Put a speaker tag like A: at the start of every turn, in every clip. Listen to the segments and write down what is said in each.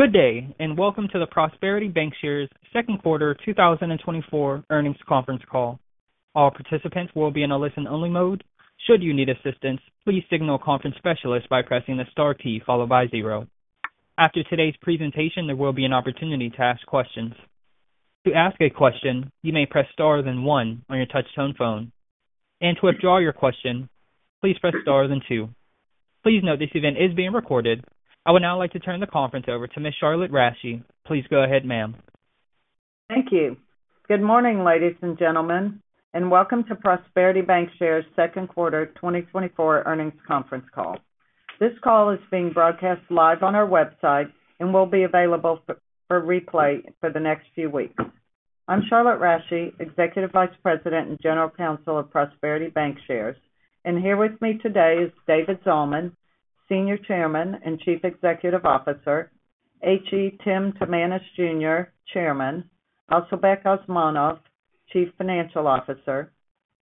A: Good day, and welcome to the Prosperity Bancshares' second quarter 2024 earnings conference call. All participants will be in a listen-only mode. Should you need assistance, please signal a conference specialist by pressing the star key followed by zero. After today's presentation, there will be an opportunity to ask questions. To ask a question, you may press star, then one on your touchtone phone, and to withdraw your question, please press star, then two. Please note, this event is being recorded. I would now like to turn the conference over to Ms. Charlotte Rasche. Please go ahead, ma'am.
B: Thank you. Good morning, ladies and gentlemen, and welcome to Prosperity Bancshares' second quarter 2024 earnings conference call. This call is being broadcast live on our website and will be available for replay for the next few weeks. I'm Charlotte Rasche, Executive Vice President and General Counsel of Prosperity Bancshares, and here with me today is David Zalman, Senior Chairman and Chief Executive Officer, H.E. Tim Timanus Jr., Chairman, Asylbek Osmonov, Chief Financial Officer,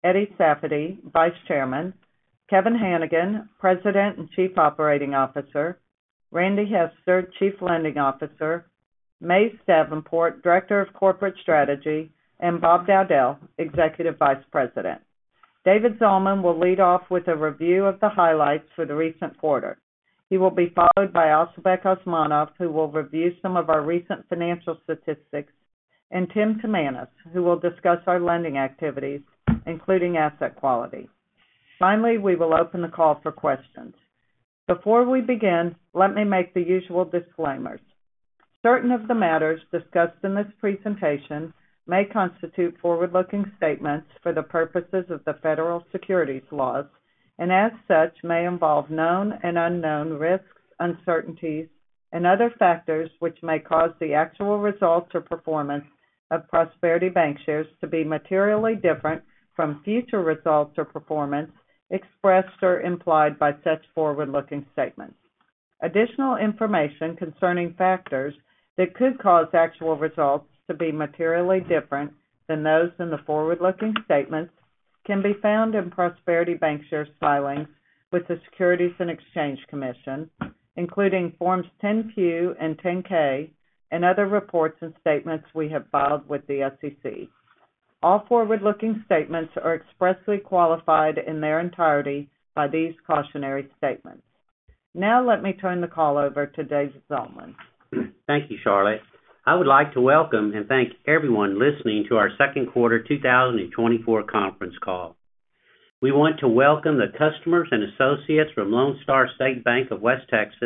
B: Eddie Safady, Vice Chairman, Kevin Hanigan, President and Chief Operating Officer, Randy Hester, Chief Lending Officer, Mays Davenport, Director of Corporate Strategy, and Bob Dowdell, Executive Vice President. David Zalman will lead off with a review of the highlights for the recent quarter. He will be followed by Asylbek Osmonov, who will review some of our recent financial statistics, and Tim Timanus, who will discuss our lending activities, including asset quality. Finally, we will open the call for questions. Before we begin, let me make the usual disclaimers. Certain of the matters discussed in this presentation may constitute forward-looking statements for the purposes of the federal securities laws, and as such, may involve known and unknown risks, uncertainties, and other factors which may cause the actual results or performance of Prosperity Bancshares to be materially different from future results or performance expressed or implied by such forward-looking statements. Additional information concerning factors that could cause actual results to be materially different than those in the forward-looking statements can be found in Prosperity Bancshares' filings with the Securities and Exchange Commission, including Forms 10-Q and 10-K, and other reports and statements we have filed with the SEC. All forward-looking statements are expressly qualified in their entirety by these cautionary statements. Now let me turn the call over to David Zalman.
C: Thank you, Charlotte. I would like to welcome and thank everyone listening to our second quarter 2024 conference call. We want to welcome the customers and associates from Lone Star Bank and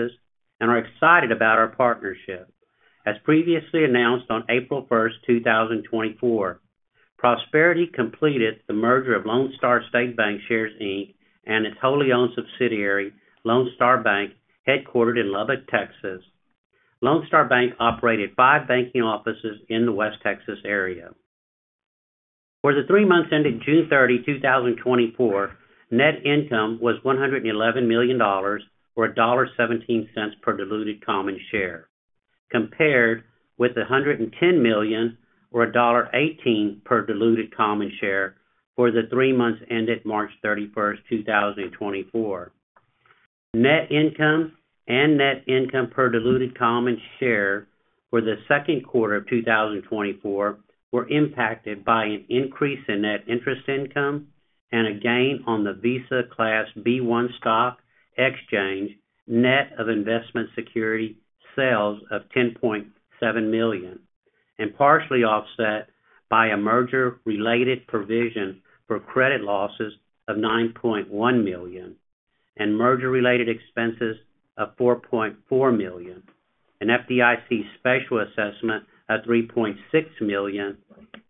C: are excited about our partnership. As previously announced on April 1, 2024, Prosperity completed the merger of Lone Star State Bancshares, Inc., and its wholly owned subsidiary, Lone Star Bank, headquartered in Lubbock, Texas. Lone Star Bank operated five banking offices in the West Texas area. For the three months ending June 30, 2024, net income was $111 million, or $1.17 per diluted common share, compared with $110 million or $1.18 per diluted common share for the three months ended March 31, 2024. Net income and net income per diluted common share for the second quarter of 2024 were impacted by an increase in net interest income and a gain on the Visa Class B-1 stock exchange, net of investment security sales of $10.7 million, and partially offset by a merger-related provision for credit losses of $9.1 million, and merger-related expenses of $4.4 million, an FDIC special assessment of $3.6 million,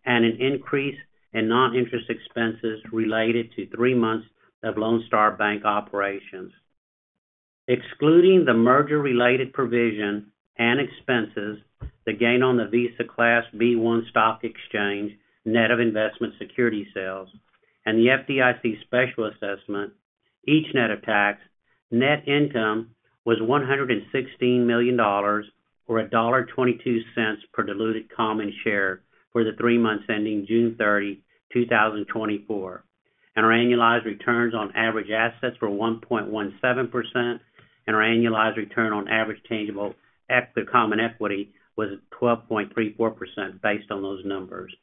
C: and an increase in non-interest expenses related to 3 months of Lone Star Bank operations. Excluding the merger-related provision and expenses, the gain on the Visa Class B-1 stock exchange, net of investment security sales, and the FDIC special assessment, each net of tax, net income was $116 million or $1.22 per diluted common share for the three months ending June 30, 2024. Our annualized returns on average assets were 1.17%, and our annualized return on average tangible common equity was 12.34% based on those numbers.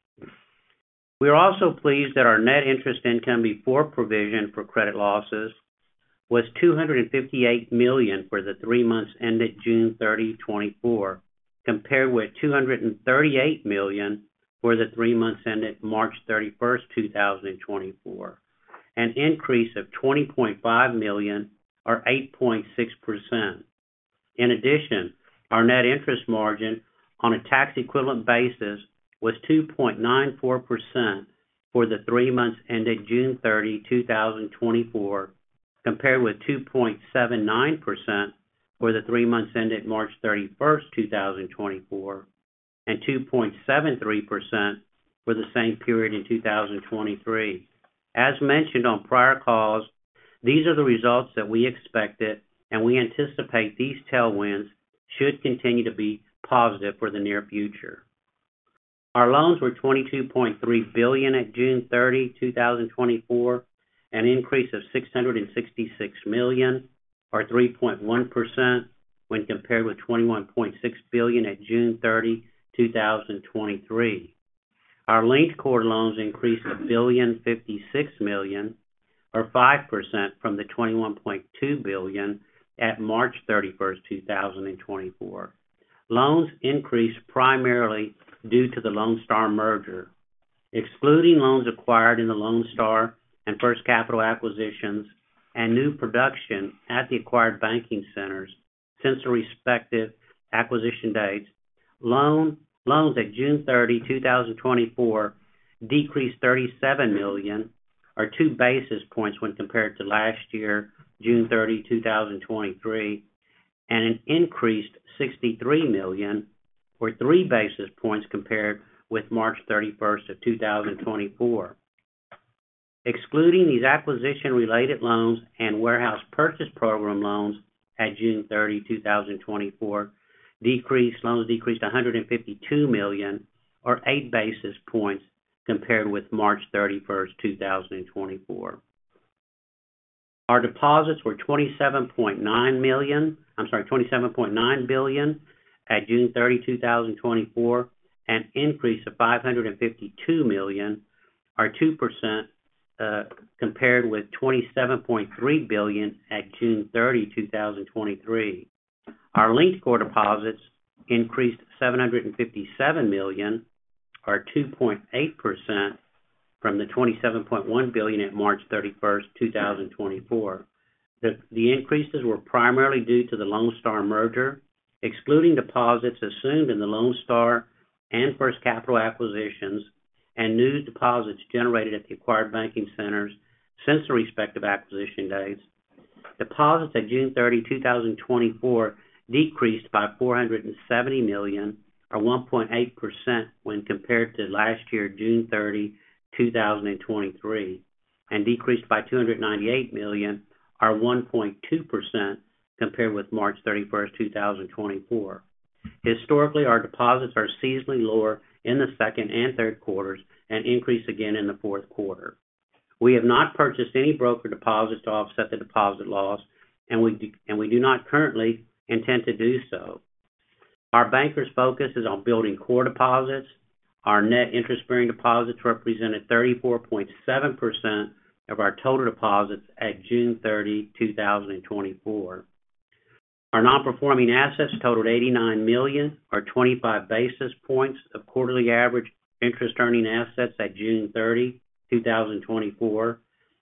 C: We are also pleased that our net interest income before provision for credit losses was $258 million for the three months ended June 30, 2024, compared with $238 million for the three months ended March 31, 2024, an increase of $20.5 million or 8.6%. In addition, our net interest margin on a tax equivalent basis was 2.94% for the three months ended June 30, 2024, compared with 2.79% for the three months ended March 31, 2024, and 2.73% for the same period in 2023. As mentioned on prior calls, these are the results that we expected, and we anticipate these tailwinds should continue to be positive for the near future....Our loans were $22.3 billion at June 30, 2024, an increase of $666 million, or 3.1%, when compared with $21.6 billion at June 30, 2023. Our linked core loans increased $1.056 billion, or 5%, from the $21.2 billion at March 31, 2024. Loans increased primarily due to the Lone Star merger. Excluding loans acquired in the Lone Star and First Capital acquisitions and new production at the acquired banking centers since the respective acquisition dates, loans at June 30, 2024, decreased $37 million, or 2 basis points, when compared to last year, June 30, 2023, and increased $63 million, or 3 basis points, compared with March 31, 2024. Excluding these acquisition-related loans and warehouse purchase program loans at June 30, 2024, loans decreased $152 million, or 8 basis points, compared with March 31, 2024. Our deposits were $27.9 million... I'm sorry, $27.9 billion at June 30, 2024, an increase of $552 million, or 2%, compared with $27.3 billion at June 30, 2023. Our linked core deposits increased $757 million, or 2.8%, from the $27.1 billion at March 31, 2024. The increases were primarily due to the Lone Star merger, excluding deposits assumed in the Lone Star and First Capital acquisitions, and new deposits generated at the acquired banking centers since the respective acquisition dates. Deposits at June 30, 2024, decreased by $470 million, or 1.8%, when compared to last year, June 30, 2023, and decreased by $298 million, or 1.2%, compared with March 31, 2024. Historically, our deposits are seasonally lower in the second and third quarters and increase again in the fourth quarter. We have not purchased any broker deposits to offset the deposit loss, and we do not currently intend to do so. Our bankers' focus is on building core deposits. Our net interest-bearing deposits represented 34.7% of our total deposits at June 30, 2024. Our non-performing assets totaled $89 million, or 25 basis points of quarterly average interest earning assets at June 30, 2024,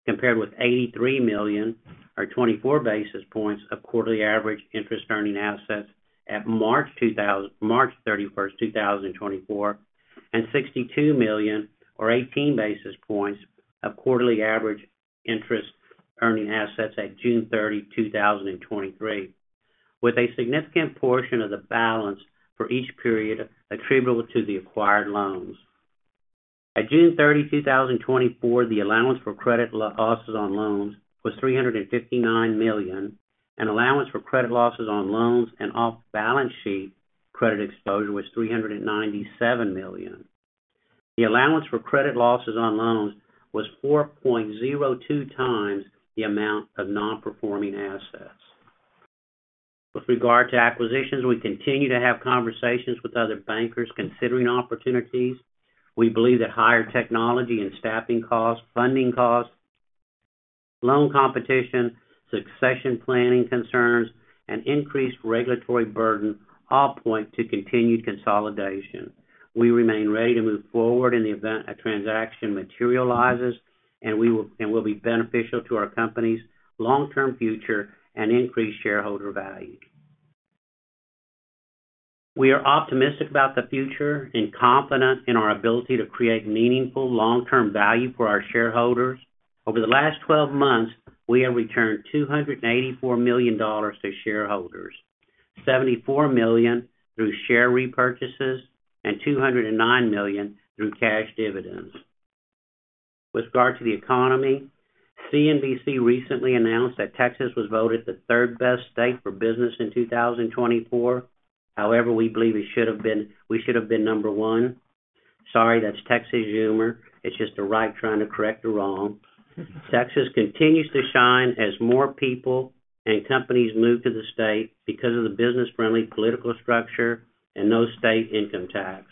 C: compared with $83 million, or 24 basis points, of quarterly average interest earning assets at March 31, 2024, and $62 million, or 18 basis points, of quarterly average interest earning assets at June 30, 2023, with a significant portion of the balance for each period attributable to the acquired loans. At June 30, 2024, the allowance for credit losses on loans was $359 million, and allowance for credit losses on loans and off-balance sheet credit exposure was $397 million. The allowance for credit losses on loans was 4.02 times the amount of non-performing assets. With regard to acquisitions, we continue to have conversations with other bankers considering opportunities. We believe that higher technology and staffing costs, funding costs, loan competition, succession planning concerns, and increased regulatory burden all point to continued consolidation. We remain ready to move forward in the event a transaction materializes, and we will be beneficial to our company's long-term future and increase shareholder value. We are optimistic about the future and confident in our ability to create meaningful, long-term value for our shareholders. Over the last twelve months, we have returned $284 million to shareholders, $74 million through share repurchases and $209 million through cash dividends. With regard to the economy, CNBC recently announced that Texas was voted the third-best state for business in 2024. However, we believe it should have been—we should have been number one. Sorry, that's Texas humor. It's just the right trying to correct the wrong. Texas continues to shine as more people and companies move to the state because of the business-friendly political structure and no state income tax.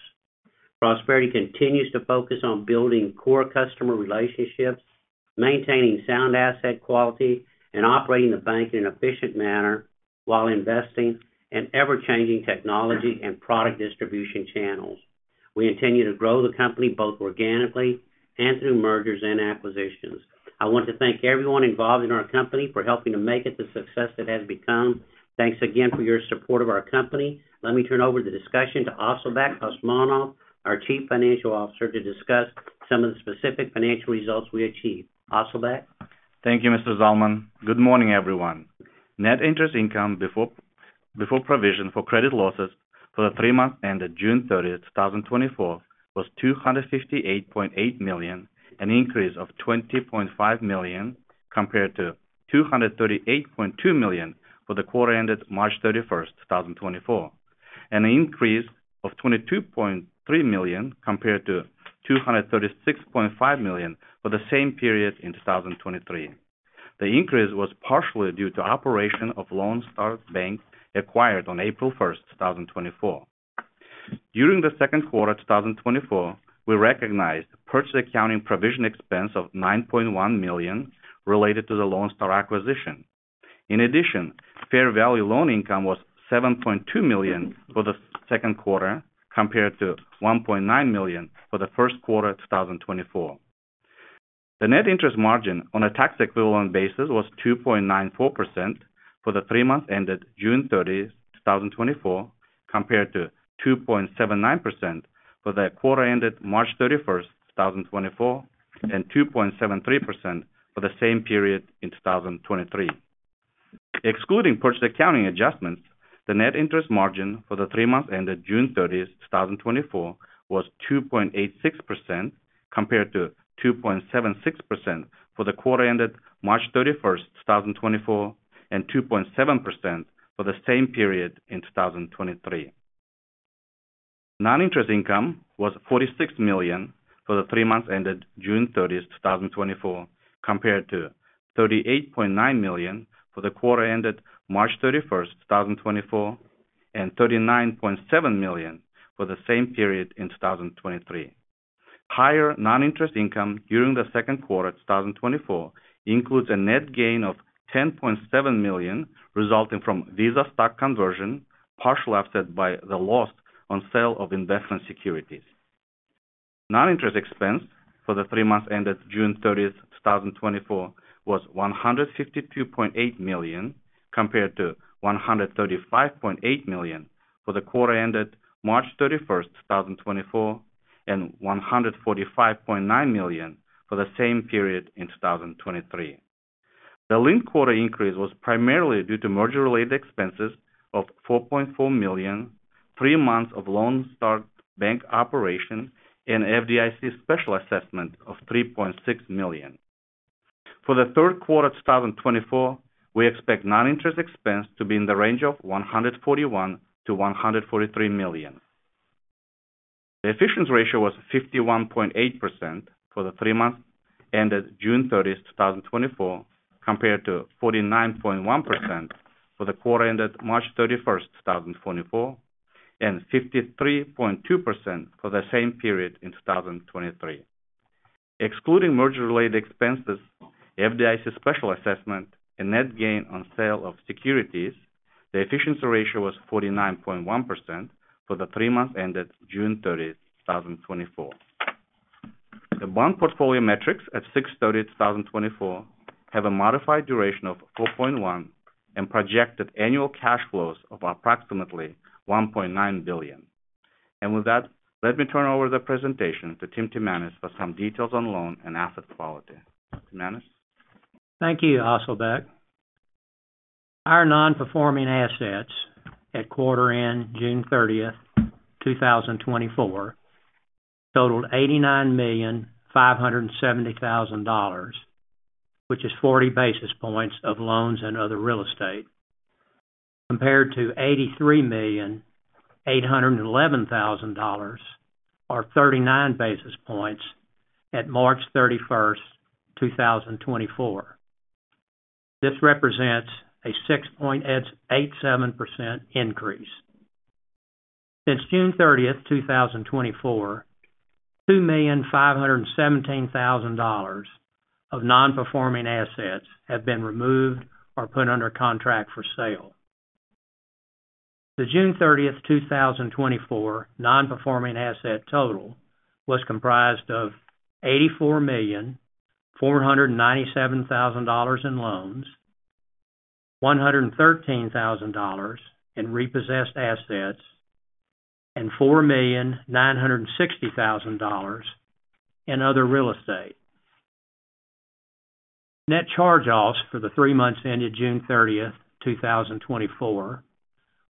C: Prosperity continues to focus on building core customer relationships, maintaining sound asset quality, and operating the bank in an efficient manner, while investing in ever-changing technology and product distribution channels. We continue to grow the company both organically and through mergers and acquisitions. I want to thank everyone involved in our company for helping to make it the success it has become. Thanks again for your support of our company. Let me turn over the discussion to Asylbek Osmonov, our Chief Financial Officer, to discuss some of the specific financial results we achieved. Asylbek Osmonov?
D: Thank you, Mr. Zalman. Good morning, everyone. Net interest income before provision for credit losses for the three months ended June 30, 2024, was $258.8 million, an increase of $20.5 million compared to $238.2 million for the quarter ended March 31, 2024, an increase of $22.3 million compared to $236.5 million for the same period in 2023. The increase was partially due to operation of Lone Star Bank, acquired on April 1, 2024. During the second quarter of 2024, we recognized purchase accounting provision expense of $9.1 million related to the Lone Star acquisition. In addition, fair value loan income was $7.2 million for the second quarter, compared to $1.9 million for the first quarter of 2024. The net interest margin on a tax equivalent basis was 2.94% for the three months ended June 30, 2024, compared to 2.79% for the quarter ended March 31, 2024, and 2.73% for the same period in 2023. Excluding purchase accounting adjustments, the net interest margin for the three months ended June 30, 2024, was 2.86%, compared to 2.76% for the quarter ended March 31, 2024, and 2.7% for the same period in 2023. Non-interest income was $46 million for the three months ended June 30, 2024, compared to $38.9 million for the quarter ended March 31, 2024, and $39.7 million for the same period in 2023. Higher non-interest income during the second quarter of 2024 includes a net gain of $10.7 million, resulting from Visa stock conversion, partially offset by the loss on sale of investment securities. Non-interest expense for the three months ended June 30, 2024, was $152.8 million, compared to $135.8 million for the quarter ended March 31, 2024, and $145.9 million for the same period in 2023. The linked quarter increase was primarily due to merger-related expenses of $4.4 million, three months of Lone Star Bank operation, and FDIC special assessment of $3.6 million. For the third quarter of 2024, we expect non-interest expense to be in the range of $141 million-$143 million. The efficiency ratio was 51.8% for the three months ended June 30, 2024, compared to 49.1% for the quarter ended March 31, 2024, and 53.2% for the same period in 2023. Excluding merger-related expenses, FDIC special assessment, and net gain on sale of securities, the efficiency ratio was 49.1% for the three months ended June 30, 2024. The bond portfolio metrics at June 30, 2024, have a modified duration of 4.1 and projected annual cash flows of approximately $1.9 billion. With that, let me turn over the presentation to Tim Timanus for some details on loan and asset quality. Timanus?
E: Thank you, Asylbek. Our non-performing assets at quarter end June 30, 2024, totaled $89,570,000, which is 40 basis points of loans and other real estate, compared to $83,811,000, or 39 basis points at March 31, 2024. This represents a 6.87% increase. Since June 30, 2024, $2,517,000 of non-performing assets have been removed or put under contract for sale. The June 30, 2024, non-performing asset total was comprised of $84,497,000 in loans, $113,000 in repossessed assets, and $4,960,000 in other real estate. Net charge-offs for the three months ended June 30, 2024,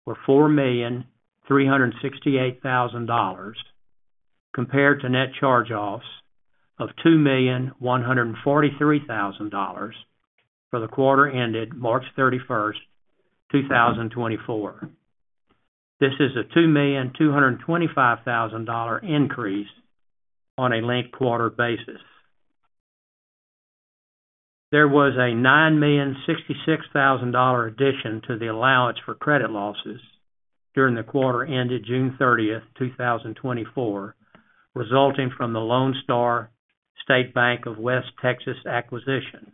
E: were $4,368,000, compared to net charge-offs of $2,143,000 for the quarter ended March 31, 2024. This is a $2,225,000 increase on a linked quarter basis. There was a $9,066,000 addition to the allowance for credit losses during the quarter ended June 30, 2024, resulting from the Lone Star State Bank of West Texas acquisition.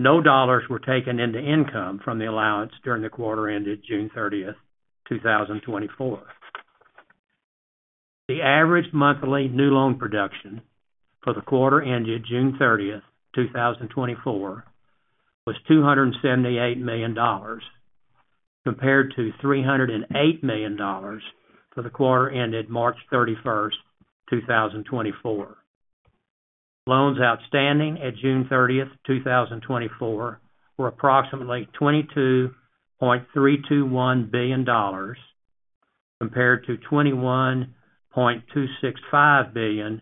E: No dollars were taken into income from the allowance during the quarter ended June 30, 2024. The average monthly new loan production for the quarter ended June 30, 2024, was $278 million, compared to $308 million for the quarter ended March 31, 2024. Loans outstanding at June 30, 2024, were approximately $22.321 billion.... compared to $21.265 billion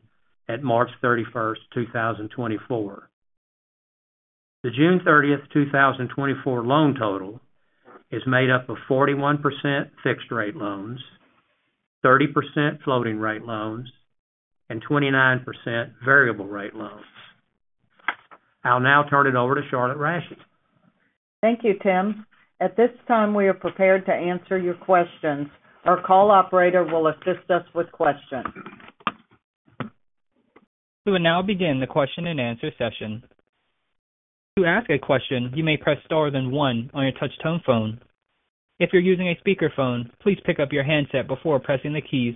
E: at March 31, 2024. The June 30, 2024 loan total is made up of 41% fixed rate loans, 30% floating rate loans, and 29% variable rate loans. I'll now turn it over to Charlotte Rasche.
B: Thank you, Tim. At this time, we are prepared to answer your questions. Our call operator will assist us with questions.
A: We will now begin the question and answer session. To ask a question, you may press star then one on your touch tone phone. If you're using a speakerphone, please pick up your handset before pressing the keys.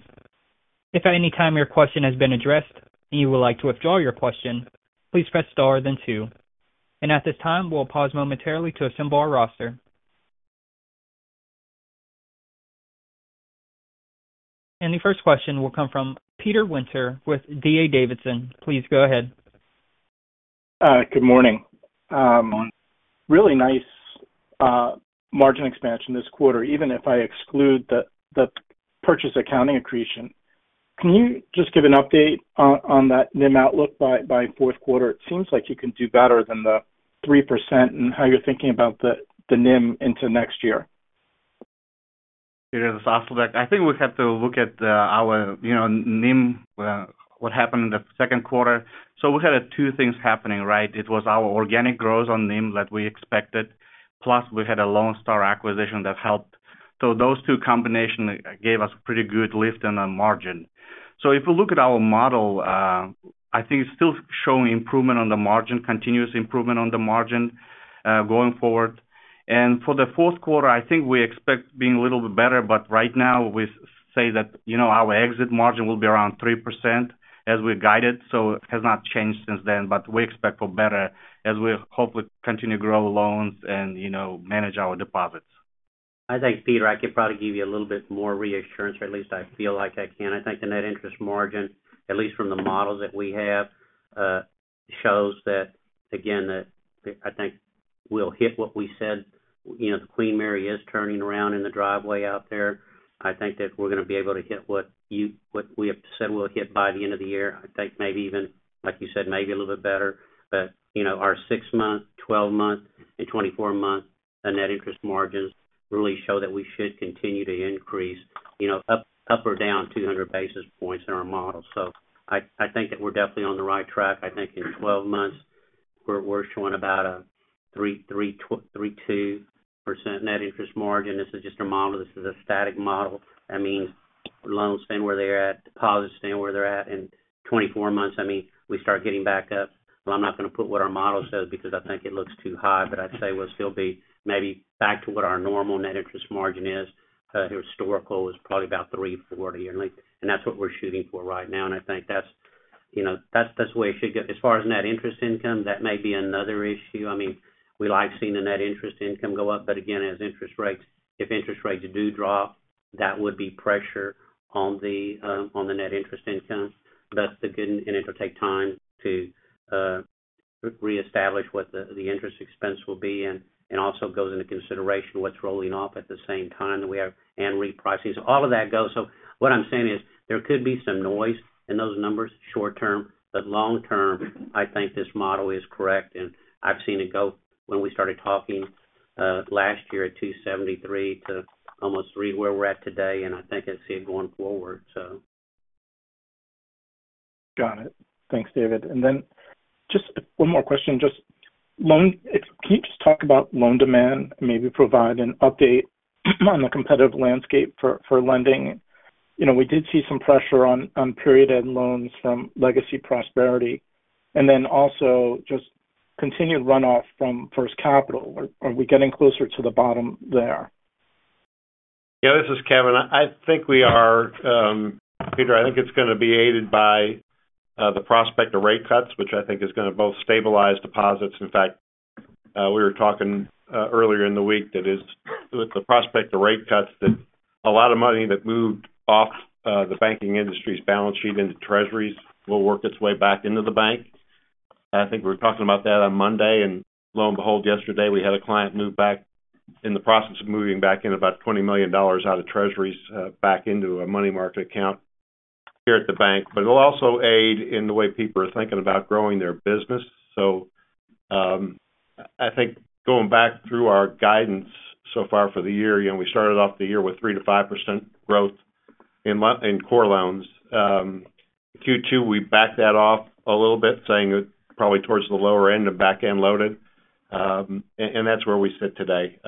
A: If at any time your question has been addressed and you would like to withdraw your question, please press star then two. At this time, we'll pause momentarily to assemble our roster. The first question will come from Peter Winter with D.A. Davidson. Please go ahead.
F: Good morning. Really nice margin expansion this quarter, even if I exclude the purchase accounting accretion. Can you just give an update on that NIM outlook by fourth quarter? It seems like you can do better than the 3% and how you're thinking about the NIM into next year.
D: Peter, this is Asylbek. I think we have to look at, our, you know, NIM, what happened in the second quarter. So we had two things happening, right? It was our organic growth on NIM that we expected, plus we had a Lone Star acquisition that helped. So those two combination gave us pretty good lift on the margin. So if we look at our model, I think it's still showing improvement on the margin, continuous improvement on the margin, going forward. And for the fourth quarter, I think we expect being a little bit better, but right now, we say that, you know, our exit margin will be around 3% as we guided, so it has not changed since then. But we expect for better as we hopefully continue to grow loans and, you know, manage our deposits.
C: I think, Peter, I could probably give you a little bit more reassurance, or at least I feel like I can. I think the net interest margin, at least from the models that we have, shows that, again, that I think we'll hit what we said. You know, the Queen Mary is turning around in the driveway out there. I think that we're gonna be able to hit what you-- what we have said we'll hit by the end of the year. I think maybe even, like you said, maybe a little bit better. But, you know, our 6-month, 12-month, and 24-month net interest margins really show that we should continue to increase, you know, up, up or down 200 basis points in our model. So I, I think that we're definitely on the right track. I think in 12 months, we're showing about a 3.2% net interest margin. This is just a model. This is a static model. I mean, loans staying where they're at, deposits staying where they're at. In 24 months, I mean, we start getting back up. Well, I'm not going to put what our model says because I think it looks too high, but I'd say we'll still be maybe back to what our normal net interest margin is. The historical is probably about 3.40% yearly, and that's what we're shooting for right now, and I think that's, you know, that's the way it should get. As far as net interest income, that may be another issue. I mean, we like seeing the net interest income go up, but again, as interest rates, if interest rates do drop, that would be pressure on the net interest income. But again, it'll take time to reestablish what the interest expense will be and also goes into consideration what's rolling off at the same time that we have and repricing. So all of that goes. So what I'm saying is, there could be some noise in those numbers short term, but long term, I think this model is correct, and I've seen it go when we started talking last year at 2.73 to almost 3, where we're at today, and I think I see it going forward, so.
F: Got it. Thanks, David. And then just one more question, just loans. Can you just talk about loan demand, maybe provide an update on the competitive landscape for lending? You know, we did see some pressure on period-end loans from legacy Prosperity, and then also just continued runoff from First Capital. Are we getting closer to the bottom there?
G: Yeah, this is Kevin. I think we are, Peter, I think it's gonna be aided by the prospect of rate cuts, which I think is gonna both stabilize deposits. In fact, we were talking earlier in the week, that is, with the prospect of rate cuts, that a lot of money that moved off the banking industry's balance sheet into Treasuries will work its way back into the bank. I think we were talking about that on Monday, and lo and behold, yesterday, we had a client move back, in the process of moving back in about $20 million out of Treasuries back into a money market account here at the bank. But it'll also aid in the way people are thinking about growing their business. So, I think going back through our guidance so far for the year, you know, we started off the year with 3%-5% growth in core loans. Q2, we backed that off a little bit, saying it probably towards the lower end of back-end loaded, and that's where we sit today.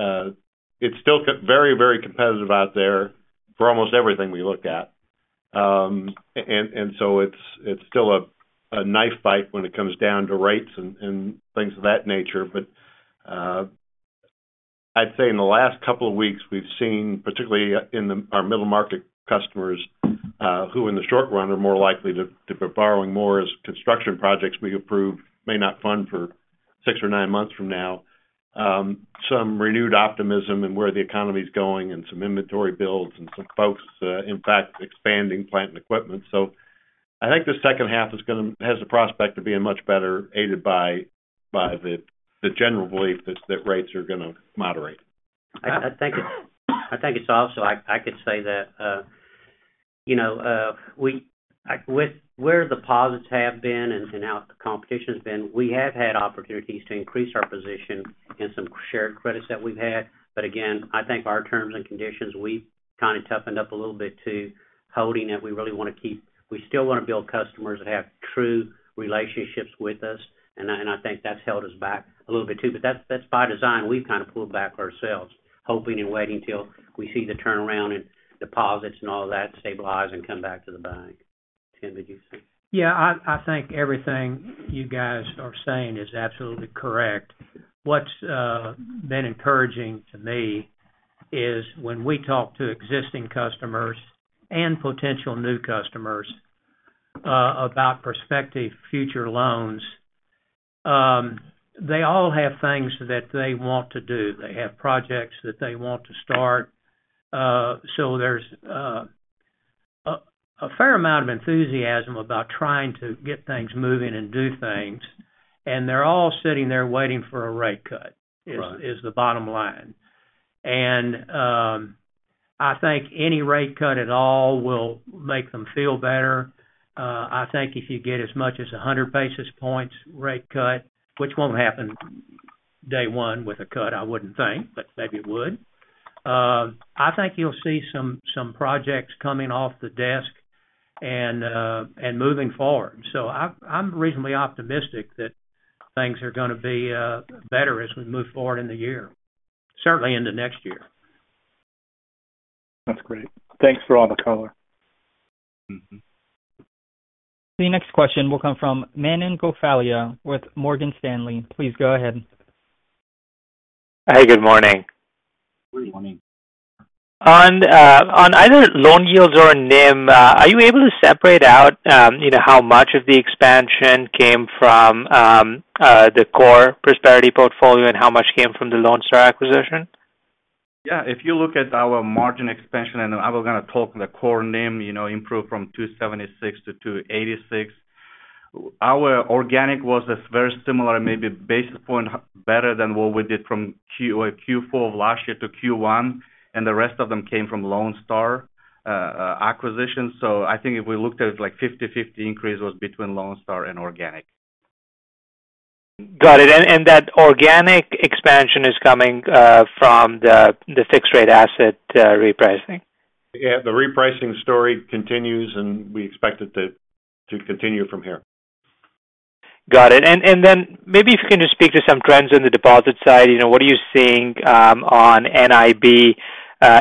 G: It's still very, very competitive out there for almost everything we look at. And so it's still a knife fight when it comes down to rates and things of that nature. But I'd say in the last couple of weeks, we've seen, particularly in our middle market customers, who in the short run are more likely to be borrowing more as construction projects we approve may not fund for six or nine months from now, some renewed optimism in where the economy is going and some inventory builds and some folks in fact expanding plant and equipment. I think the second half is gonna has the prospect of being much better, aided by the general belief that rates are gonna moderate.
C: I think it's also, I could say that, you know, we—like, with where the deposits have been and how the competition has been, we have had opportunities to increase our position in some shared credits that we've had. But again, I think our terms and conditions, we've kind of toughened up a little bit to holding it. We really wanna keep—We still wanna build customers that have true relationships with us, and I think that's held us back a little bit, too. But that's by design. We've kind of pulled back ourselves, hoping and waiting till we see the turnaround in deposits and all that stabilize and come back to the bank. Tim, did you see?
E: Yeah, I think everything you guys are saying is absolutely correct. What's been encouraging to me is when we talk to existing customers and potential new customers about prospective future loans, they all have things that they want to do. They have projects that they want to start. So there's a fair amount of enthusiasm about trying to get things moving and do things, and they're all sitting there waiting for a rate cut-
G: Right...
E: is the bottom line. And I think any rate cut at all will make them feel better. I think if you get as much as 100 basis points rate cut, which won't happen day one with a cut, I wouldn't think, but maybe it would. I think you'll see some projects coming off the desk and moving forward. So I'm reasonably optimistic that things are gonna be better as we move forward in the year, certainly into next year.
G: That's great. Thanks for all the color.
C: Mm-hmm.
A: The next question will come from Manan Gosalia with Morgan Stanley. Please go ahead.
H: Hi, good morning.
G: Good morning.
H: On either loan yields or NIM, are you able to separate out, you know, how much of the expansion came from the core Prosperity portfolio and how much came from the Lone Star acquisition?
D: Yeah, if you look at our margin expansion, and I was gonna talk, the core NIM, you know, improved from 276 to 286. Our organic was a very similar, maybe basis point, better than what we did from Q4 of last year to Q1, and the rest of them came from Lone Star acquisition. So I think if we looked at it, like 50/50 increase was between Lone Star and organic.
H: Got it. And that organic expansion is coming from the fixed rate asset repricing?
G: Yeah, the repricing story continues, and we expect it to continue from here.
H: Got it. And then maybe if you can just speak to some trends in the deposit side. You know, what are you seeing on NIB,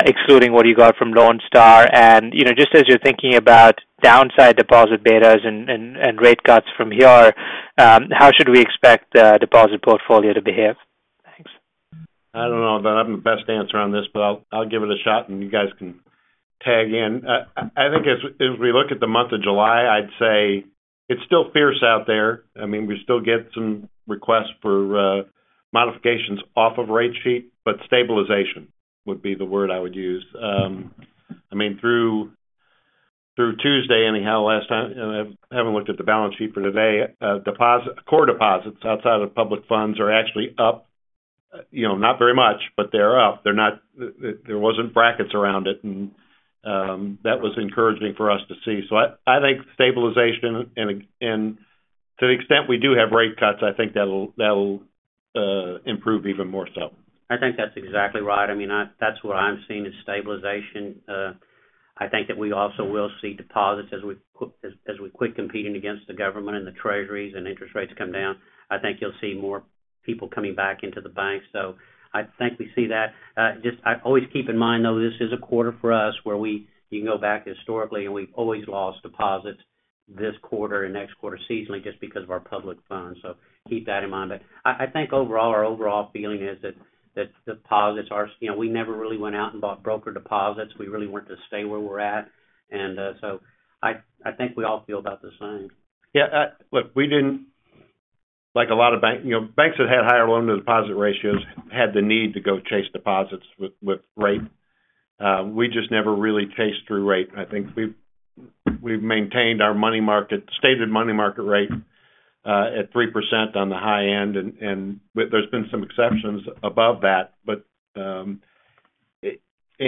H: excluding what you got from Lone Star? And, you know, just as you're thinking about downside deposit betas and rate cuts from here, how should we expect the deposit portfolio to behave? Thanks.
G: I don't know that I'm the best answer on this, but I'll give it a shot, and you guys can tag in. I think as we look at the month of July, I'd say it's still fierce out there. I mean, we still get some requests for modifications off of rate sheet, but stabilization would be the word I would use. I mean, through Tuesday, anyhow, last time, and I haven't looked at the balance sheet for today, deposit, core deposits outside of public funds are actually up, you know, not very much, but they're up. They're not-- there wasn't brackets around it, and that was encouraging for us to see. So I think stabilization, and to the extent we do have rate cuts, I think that'll improve even more so.
C: I think that's exactly right. I mean, that's what I'm seeing, is stabilization. I think that we also will see deposits as we quit competing against the government and the Treasuries and interest rates come down. I think you'll see more people coming back into the bank, so I think we see that. Just, always keep in mind, though, this is a quarter for us where you can go back historically, and we've always lost deposits this quarter and next quarter seasonally, just because of our public funds, so keep that in mind. But I think overall, our overall feeling is that, that deposits are... You know, we never really went out and bought broker deposits. We really wanted to stay where we're at, and, so I think we all feel about the same.
G: Yeah, look, we didn't like a lot of banks. You know, banks that had higher loan-to-deposit ratios had the need to go chase deposits with rate. We just never really chased through rate. I think we've maintained our money market stated money market rate at 3% on the high end, and but there's been some exceptions above that. But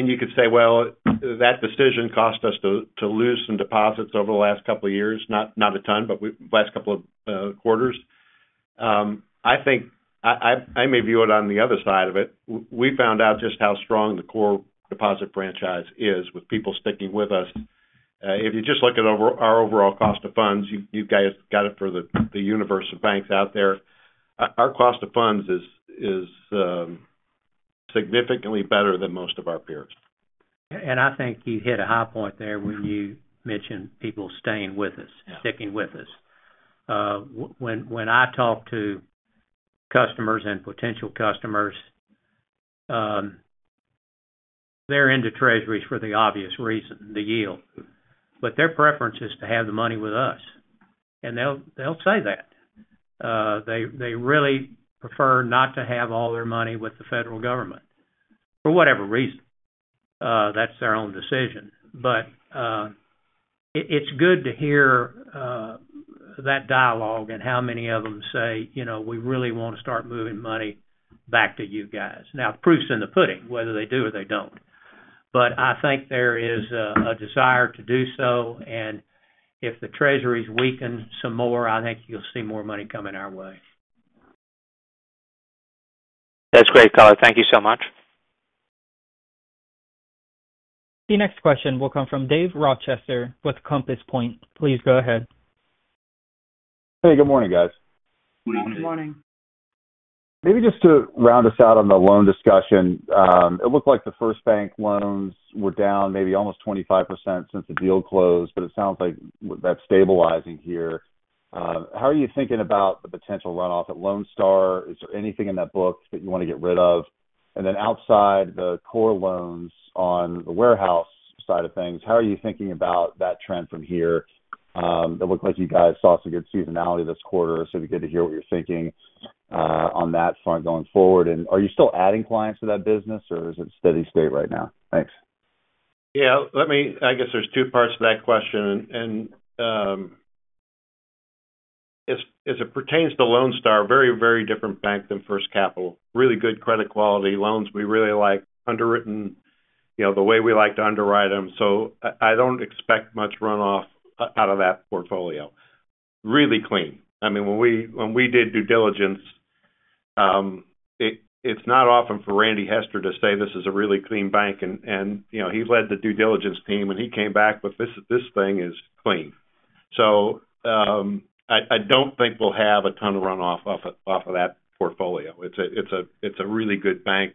G: you could say, well, that decision cost us to lose some deposits over the last couple of years, not a ton, but last couple of quarters. I think I may view it on the other side of it. We found out just how strong the core deposit franchise is with people sticking with us. If you just look at our overall cost of funds, you guys got it for the universe of banks out there. Our cost of funds is significantly better than most of our peers.
E: I think you hit a high point there when you mentioned people staying with us-
G: Yeah...
E: sticking with us. When I talk to customers and potential customers, they're into Treasuries for the obvious reason, the yield, but their preference is to have the money with us.... and they'll say that. They really prefer not to have all their money with the federal government, for whatever reason. That's their own decision. But it's good to hear that dialogue and how many of them say, you know, "We really wanna start moving money back to you guys." Now, proof's in the pudding, whether they do or they don't. But I think there is a desire to do so, and if the Treasuries weaken some more, I think you'll see more money coming our way.
H: That's great color. Thank you so much.
A: The next question will come from Dave Rochester with Compass Point. Please go ahead.
I: Hey, good morning, guys.
G: Good morning.
E: Morning
I: Maybe just to round us out on the loan discussion. It looked like the first bank loans were down maybe almost 25% since the deal closed, but it sounds like that's stabilizing here. How are you thinking about the potential runoff at Lone Star? Is there anything in that book that you wanna get rid of? And then outside the core loans on the warehouse side of things, how are you thinking about that trend from here? It looked like you guys saw some good seasonality this quarter, so it'd be good to hear what you're thinking on that front going forward. And are you still adding clients to that business, or is it steady state right now? Thanks.
G: Yeah, let me. I guess there's two parts to that question. And, as it pertains to Lone Star, very, very different bank than First Capital. Really good credit quality loans we really like, underwritten, you know, the way we like to underwrite them. So I don't expect much runoff out of that portfolio. Really clean. I mean, when we did due diligence, it's not often for Randy Hester to say, "This is a really clean bank." And, you know, he led the due diligence team, and he came back with, "This thing is clean." So, I don't think we'll have a ton of runoff off of that portfolio. It's a really good bank.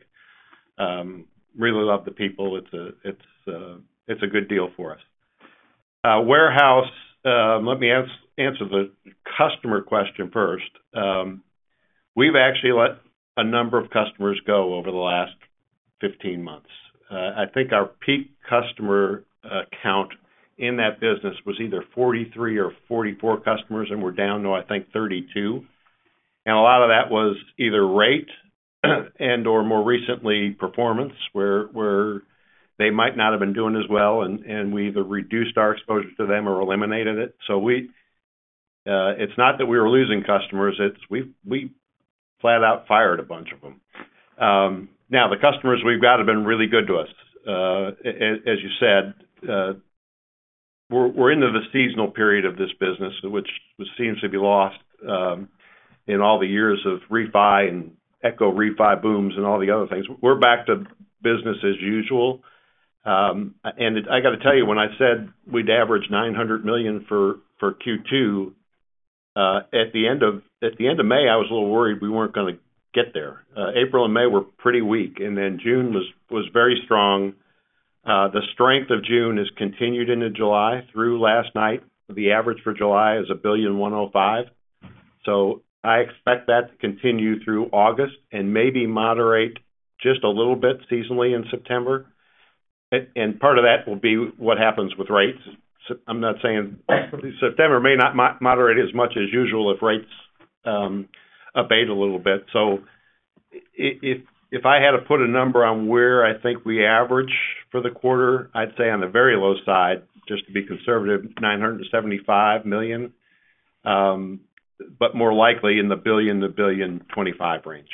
G: Really love the people. It's a good deal for us. Warehouse, let me answer the customer question first. We've actually let a number of customers go over the last 15 months. I think our peak customer count in that business was either 43 or 44 customers, and we're down to, I think, 32. And a lot of that was either rate, and/or more recently, performance, where they might not have been doing as well, and we either reduced our exposure to them or eliminated it. So, it's not that we were losing customers, it's we flat out fired a bunch of them. Now, the customers we've got have been really good to us. As you said, we're into the seasonal period of this business, which seems to be lost in all the years of refi and echo refi booms and all the other things. We're back to business as usual. And I got to tell you, when I said we'd average $900 million for Q2 at the end of May, I was a little worried we weren't gonna get there. April and May were pretty weak, and then June was very strong. The strength of June has continued into July through last night. The average for July is $1.05 billion. So I expect that to continue through August and maybe moderate just a little bit seasonally in September. And part of that will be what happens with rates. I'm not saying September may not moderate as much as usual if rates abate a little bit. So if I had to put a number on where I think we average for the quarter, I'd say on the very low side, just to be conservative, $975 million, but more likely in the $1 billion-$1.025 billion range.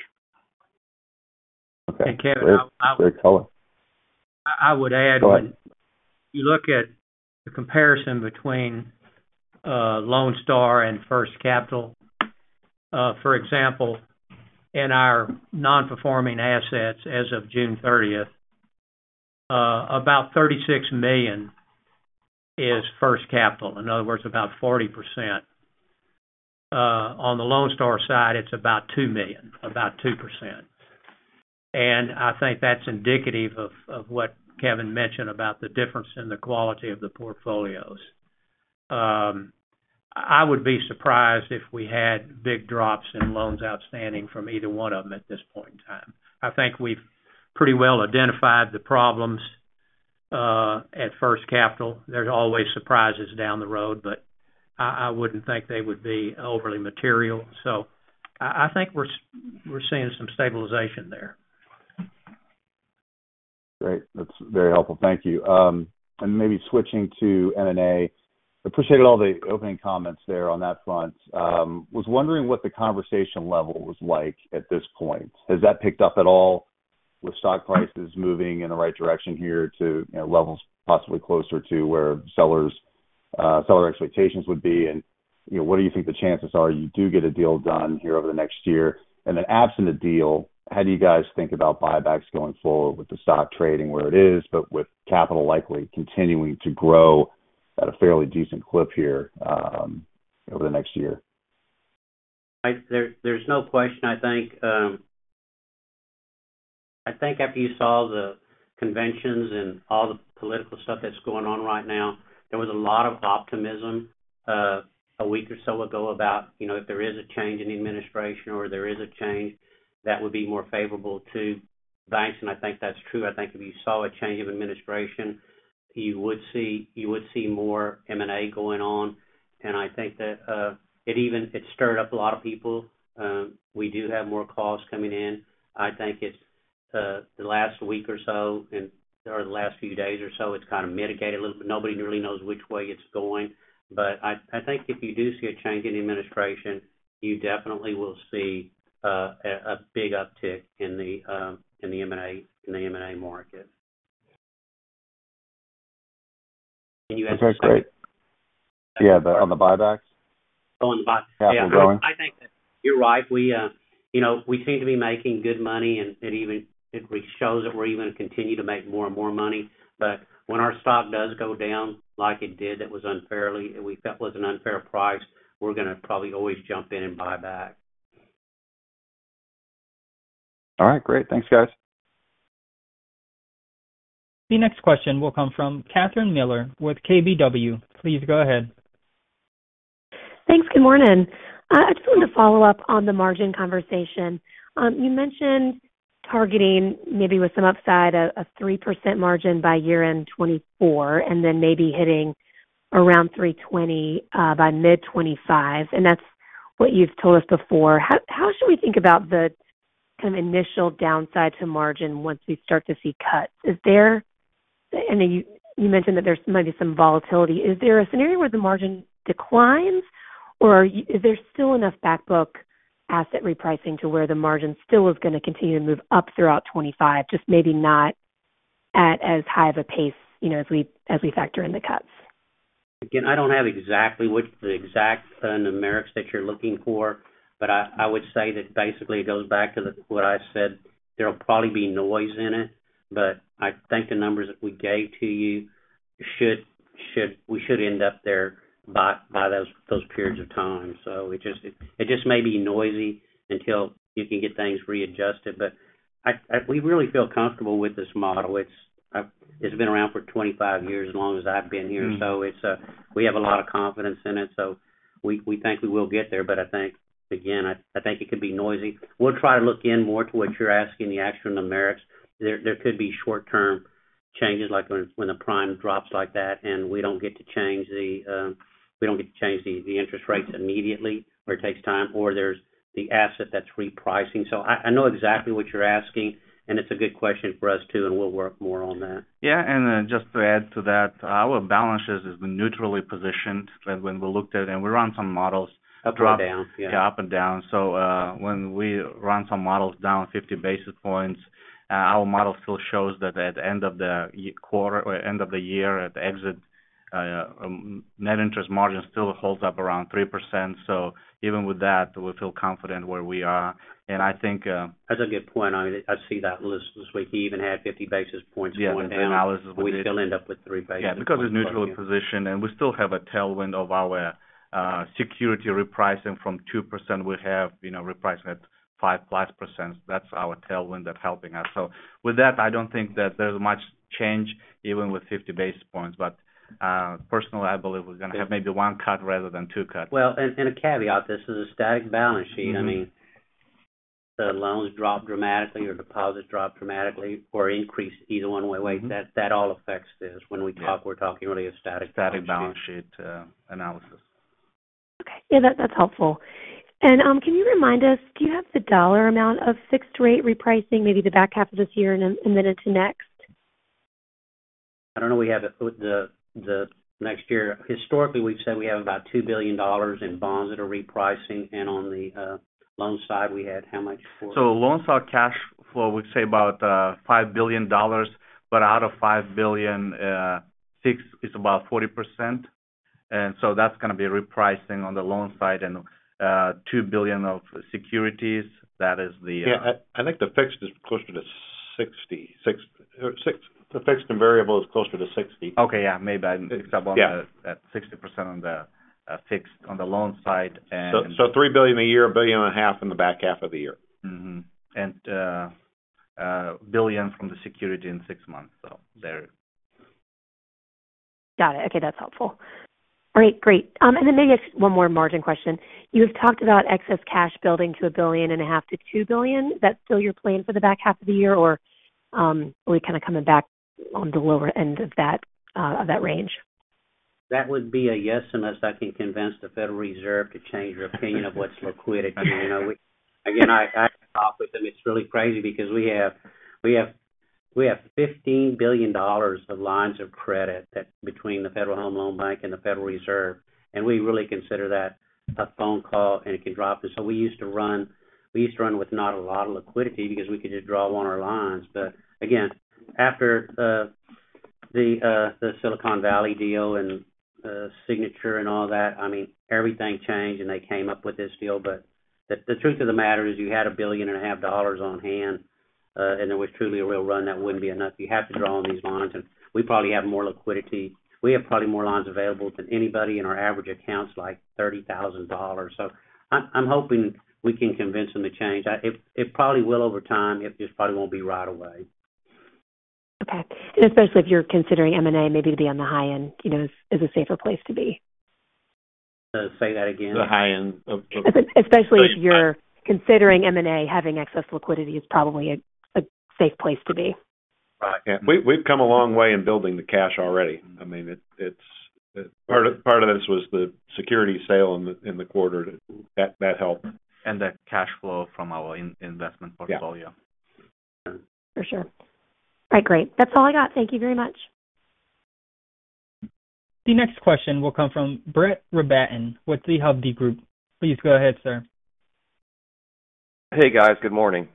I: Okay.
E: Kevin, I-
G: Great, color.
E: I would add-
G: Go ahead.
E: When you look at the comparison between Lone Star and First Capital, for example, in our non-performing assets as of June 30th, about $36 million is First Capital, in other words, about 40%. On the Lone Star side, it's about $2 million, about 2%. And I think that's indicative of what Kevin mentioned about the difference in the quality of the portfolios. I would be surprised if we had big drops in loans outstanding from either one of them at this point in time. I think we've pretty well identified the problems at First Capital. There's always surprises down the road, but I wouldn't think they would be overly material. So I think we're seeing some stabilization there.
I: Great. That's very helpful. Thank you. And maybe switching to M&A. I appreciated all the opening comments there on that front. Was wondering what the conversation level was like at this point. Has that picked up at all with stock prices moving in the right direction here to, you know, levels possibly closer to where sellers, seller expectations would be? And, you know, what do you think the chances are you do get a deal done here over the next year? And then absent a deal, how do you guys think about buybacks going forward with the stock trading where it is, but with capital likely continuing to grow at a fairly decent clip here, over the next year?
C: There's no question, I think, I think after you saw the conventions and all the political stuff that's going on right now, there was a lot of optimism, a week or so ago about, you know, if there is a change in the administration or there is a change that would be more favorable to-... banks, and I think that's true. I think if you saw a change of administration, you would see, you would see more M&A going on. And I think that it even stirred up a lot of people. We do have more calls coming in. I think it's the last week or so, and or the last few days or so, it's kind of mitigated a little bit. Nobody really knows which way it's going. But I think if you do see a change in the administration, you definitely will see a big uptick in the in the M&A, in the M&A market. Can you ask the second-
I: Okay, great. Yeah, the, on the buybacks?
C: Oh, on the buy.
I: Yeah.
C: I think that you're right. We, you know, we seem to be making good money, and, and even if it shows that we're even continue to make more and more money. But when our stock does go down, like it did, that was unfairly, and we felt was an unfair price, we're going to probably always jump in and buy back.
I: All right, great. Thanks, guys.
A: The next question will come from Catherine Mealor with KBW. Please go ahead.
J: Thanks. Good morning. I just wanted to follow up on the margin conversation. You mentioned targeting maybe with some upside, a three percent margin by year-end 2024, and then maybe hitting around three twenty by mid 2025, and that's what you've told us before. How should we think about the kind of initial downside to margin once we start to see cuts? Is there... And you mentioned that there's maybe some volatility. Is there a scenario where the margin declines, or are you - is there still enough back book asset repricing to where the margin still is going to continue to move up throughout 2025, just maybe not at as high of a pace, you know, as we factor in the cuts?
C: Again, I don't have exactly what the exact numerics that you're looking for, but I would say that basically it goes back to what I said. There'll probably be noise in it, but I think the numbers that we gave to you should - we should end up there by those periods of time. So it just may be noisy until you can get things readjusted. But... We really feel comfortable with this model. It's been around for 25 years, as long as I've been here.
J: Mm.
C: So it's, we have a lot of confidence in it, so we think we will get there. But I think, again, I think it could be noisy. We'll try to look more into what you're asking, the actual numerics. There could be short-term changes, like when the prime drops like that, and we don't get to change the interest rates immediately, or it takes time, or there's the asset that's repricing. So I know exactly what you're asking, and it's a good question for us, too, and we'll work more on that.
D: Yeah, and just to add to that, our balances has been neutrally positioned when we looked at it, and we ran some models-
C: Up and down.
D: Yeah, up and down. So, when we run some models down 50 basis points, our model still shows that at the end of the quarter or end of the year, at the exit, net interest margin still holds up around 3%. So even with that, we feel confident where we are. And I think,
C: That's a good point. I see that list this week. He even had 50 basis points going down.
D: Yeah, the analysis was-
C: We still end up with 3 basis.
D: Yeah, because it's neutrally positioned, and we still have a tailwind of our security repricing from 2%. We have, you know, repricing at 5%+. That's our tailwind that's helping us. So with that, I don't think that there's much change even with 50 basis points, but personally, I believe we're going to have maybe one cut rather than two cuts.
C: Well, and a caveat, this is a static balance sheet.
D: Mm-hmm.
C: I mean, the loans drop dramatically or deposits drop dramatically or increase either one way.
D: Mm-hmm.
C: That all affects this.
D: Yeah.
C: When we talk, we're talking really a static-
D: Static balance sheet, analysis.
J: Okay. Yeah, that, that's helpful. And, can you remind us, do you have the dollar amount of fixed rate repricing, maybe the back half of this year and then into next?
C: I don't know, we have it with the, the next year. Historically, we've said we have about $2 billion in bonds that are repricing, and on the loan side, we had how much for it?
D: So loans are cash flow, we'd say about $5 billion, but out of $5 billion, $6 billion is about 40%, and so that's going to be repricing on the loan side and $2 billion of securities. That is the-
I: Yeah, I think the fixed is closer to 66 or 60. The fixed and variable is closer to 60.
D: Okay, yeah, maybe I mixed up on the-
I: Yeah.
D: - at 60% on the fixed on the loan side, and-
I: So, $3 billion a year, $1.5 billion in the back half of the year.
D: Mm-hmm. And billion from the security in six months. So there.
J: Got it. Okay, that's helpful. All right, great. And then maybe just one more margin question. You had talked about excess cash building to $1.5 billion-$2 billion. Is that still your plan for the back half of the year, or, are we kind of coming back on the lower end of that, of that range?
C: That would be a yes, unless I can convince the Federal Reserve to change their opinion of what's liquidity. You know, we-again, I talk with them, it's really crazy because we have $15 billion of lines of credit between the Federal Home Loan Bank and the Federal Reserve, and we really consider that a phone call, and it can drop this. So we used to run, we used to run with not a lot of liquidity because we could just draw on our lines. But again, after the Silicon Valley deal and Signature and all that, I mean, everything changed, and they came up with this deal. But the truth of the matter is you had $1.5 billion on hand, and there was truly a real run, that wouldn't be enough. You have to draw on these lines, and we probably have more liquidity. We have probably more lines available than anybody, and our average account's like $30,000. So I'm hoping we can convince them to change. It probably will over time. It just probably won't be right away.
J: Okay. And especially if you're considering M&A, maybe to be on the high end, you know, is a safer place to be....
C: Say that again?
G: The high end of
J: Especially if you're considering M&A, having excess liquidity is probably a safe place to be.
G: Right. Yeah, we've come a long way in building the cash already. I mean, it's part of this was the security sale in the quarter. That helped.
C: The cash flow from our investment portfolio.
G: Yeah.
J: For sure. All right, great. That's all I got. Thank you very much.
A: The next question will come from Brett Rabatin with Hovde Group. Please go ahead, sir.
K: Hey, guys. Good morning.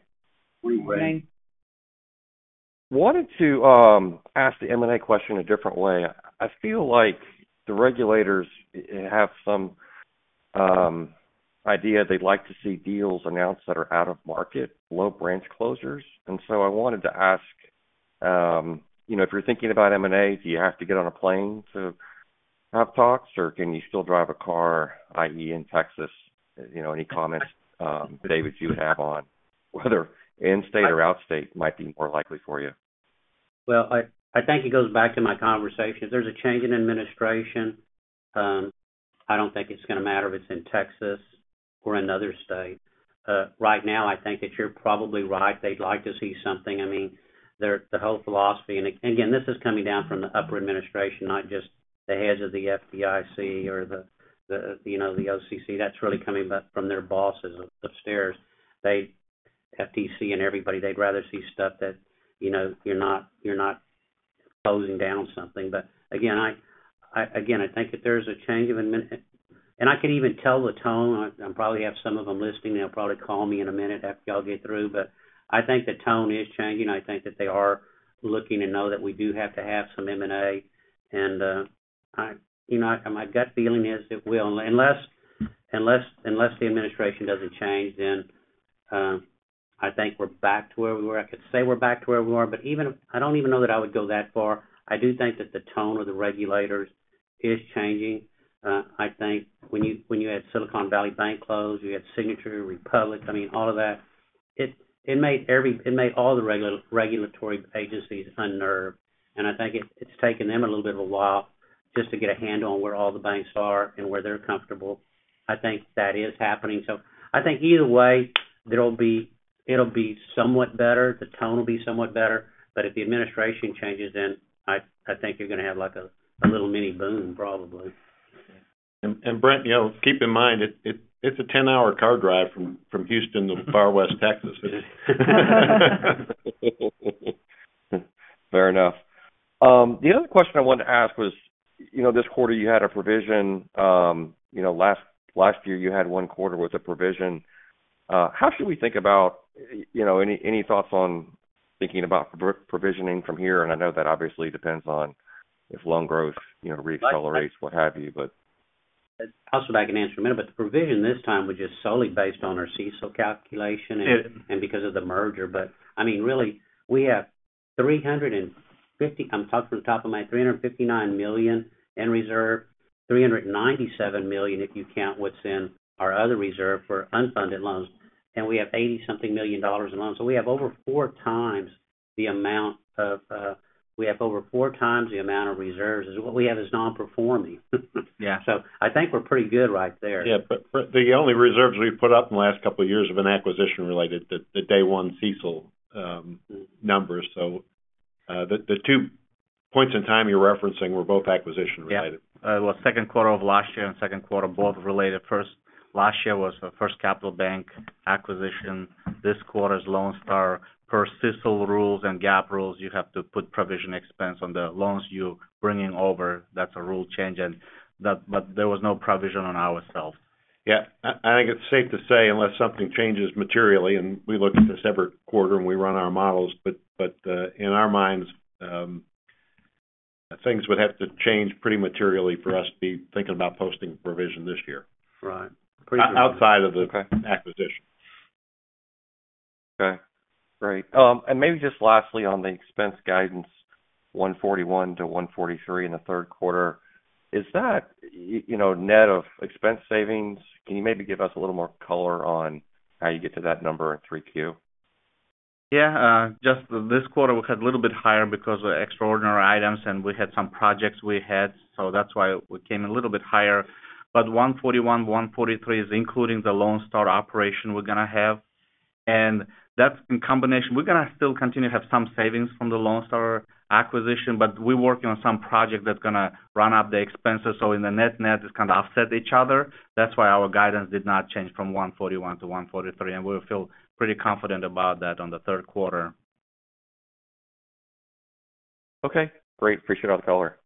G: Good morning.
C: Morning.
K: Wanted to ask the M&A question a different way. I feel like the regulators have some idea they'd like to see deals announced that are out of market, low branch closures. And so I wanted to ask, you know, if you're thinking about M&A, do you have to get on a plane to have talks, or can you still drive a car, i.e., in Texas? You know, any comments, David, you have on whether in-state or out-of-state might be more likely for you?
C: Well, I think it goes back to my conversation. There's a change in administration. I don't think it's going to matter if it's in Texas or another state. Right now, I think that you're probably right. They'd like to see something. I mean, their whole philosophy, and again, this is coming down from the upper administration, not just the heads of the FDIC or you know, the OCC. That's really coming back from their bosses upstairs. FTC and everybody, they'd rather see stuff that, you know, you're not, you're not closing down something. But again, I think if there's a change of admin. I can even tell the tone, I probably have some of them listening. They'll probably call me in a minute after y'all get through, but I think the tone is changing. I think that they are looking to know that we do have to have some M&A, and, you know, my gut feeling is it will. Unless the administration doesn't change, then, I think we're back to where we were. I could say we're back to where we were, but even I don't even know that I would go that far. I do think that the tone of the regulators is changing. I think when you had Silicon Valley Bank close, you had Signature, Republic, I mean, all of that, it made all the regulatory agencies unnerved, and I think it's taken them a little bit of a while just to get a handle on where all the banks are and where they're comfortable. I think that is happening. So I think either way, it'll be, it'll be somewhat better, the tone will be somewhat better, but if the administration changes, then I, I think you're going to have, like, a, a little mini boom, probably.
G: Brett, you know, keep in mind, it’s a 10-hour car drive from Houston to far West Texas.
K: Fair enough. The other question I wanted to ask was, you know, this quarter you had a provision, you know, last, last year you had one quarter with a provision. How should we think about, you know, any, any thoughts on thinking about provisioning from here? And I know that obviously depends on if loan growth, you know, reaccelerates, what have you, but-
C: Also, I can answer in a minute, but the provision this time was just solely based on our CECL calculation and-
K: Yeah
C: And because of the merger. But I mean, really, we have 350, I'm talking from the top of my, 359 million in reserve, 397 million, if you count what's in our other reserve for unfunded loans, and we have $80-something million a month. So we have over four times the amount of, we have over four times the amount of reserves as what we have as non-performing.
K: Yeah.
C: I think we're pretty good right there.
G: Yeah, but the only reserves we've put up in the last couple of years have been acquisition-related, the day one CECL numbers. So, the two points in time you're referencing were both acquisition-related.
D: Yeah. It was second quarter of last year and second quarter, both related. First, last year was the First Capital Bank acquisition. This quarter's Lone Star. Per CECL rules and GAAP rules, you have to put provision expense on the loans you're bringing over. That's a rule change, and that, but there was no provision on ourselves.
G: Yeah, I think it's safe to say, unless something changes materially, and we look at this every quarter and we run our models, but in our minds, things would have to change pretty materially for us to be thinking about posting a provision this year.
K: Right.
G: Outside of the-
K: Okay
G: - acquisition.
K: Okay, great. And maybe just lastly on the expense guidance, $141-$143 in the third quarter, is that, you know, net of expense savings? Can you maybe give us a little more color on how you get to that number in 3Q?
C: Yeah, just this quarter, we had a little bit higher because of extraordinary items and we had some projects we had, so that's why we came a little bit higher. But 141, 143 is including the Lone Star operation we're going to have. And that's in combination. We're going to still continue to have some savings from the Lone Star acquisition, but we're working on some project that's going to run up the expenses. So in the net, net, it's kind of offset each other. That's why our guidance did not change from 141 to 143, and we feel pretty confident about that on the third quarter.
K: Okay, great. Appreciate all the color.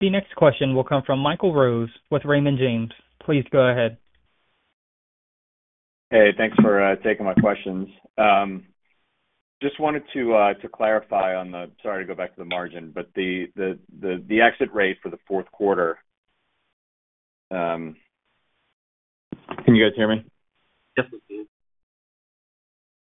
A: The next question will come from Michael Rose with Raymond James. Please go ahead.
L: Hey, thanks for taking my questions. Just wanted to clarify on the margin, sorry to go back to the margin, but the exit rate for the fourth quarter... Can you guys hear me?
A: Yes, we can.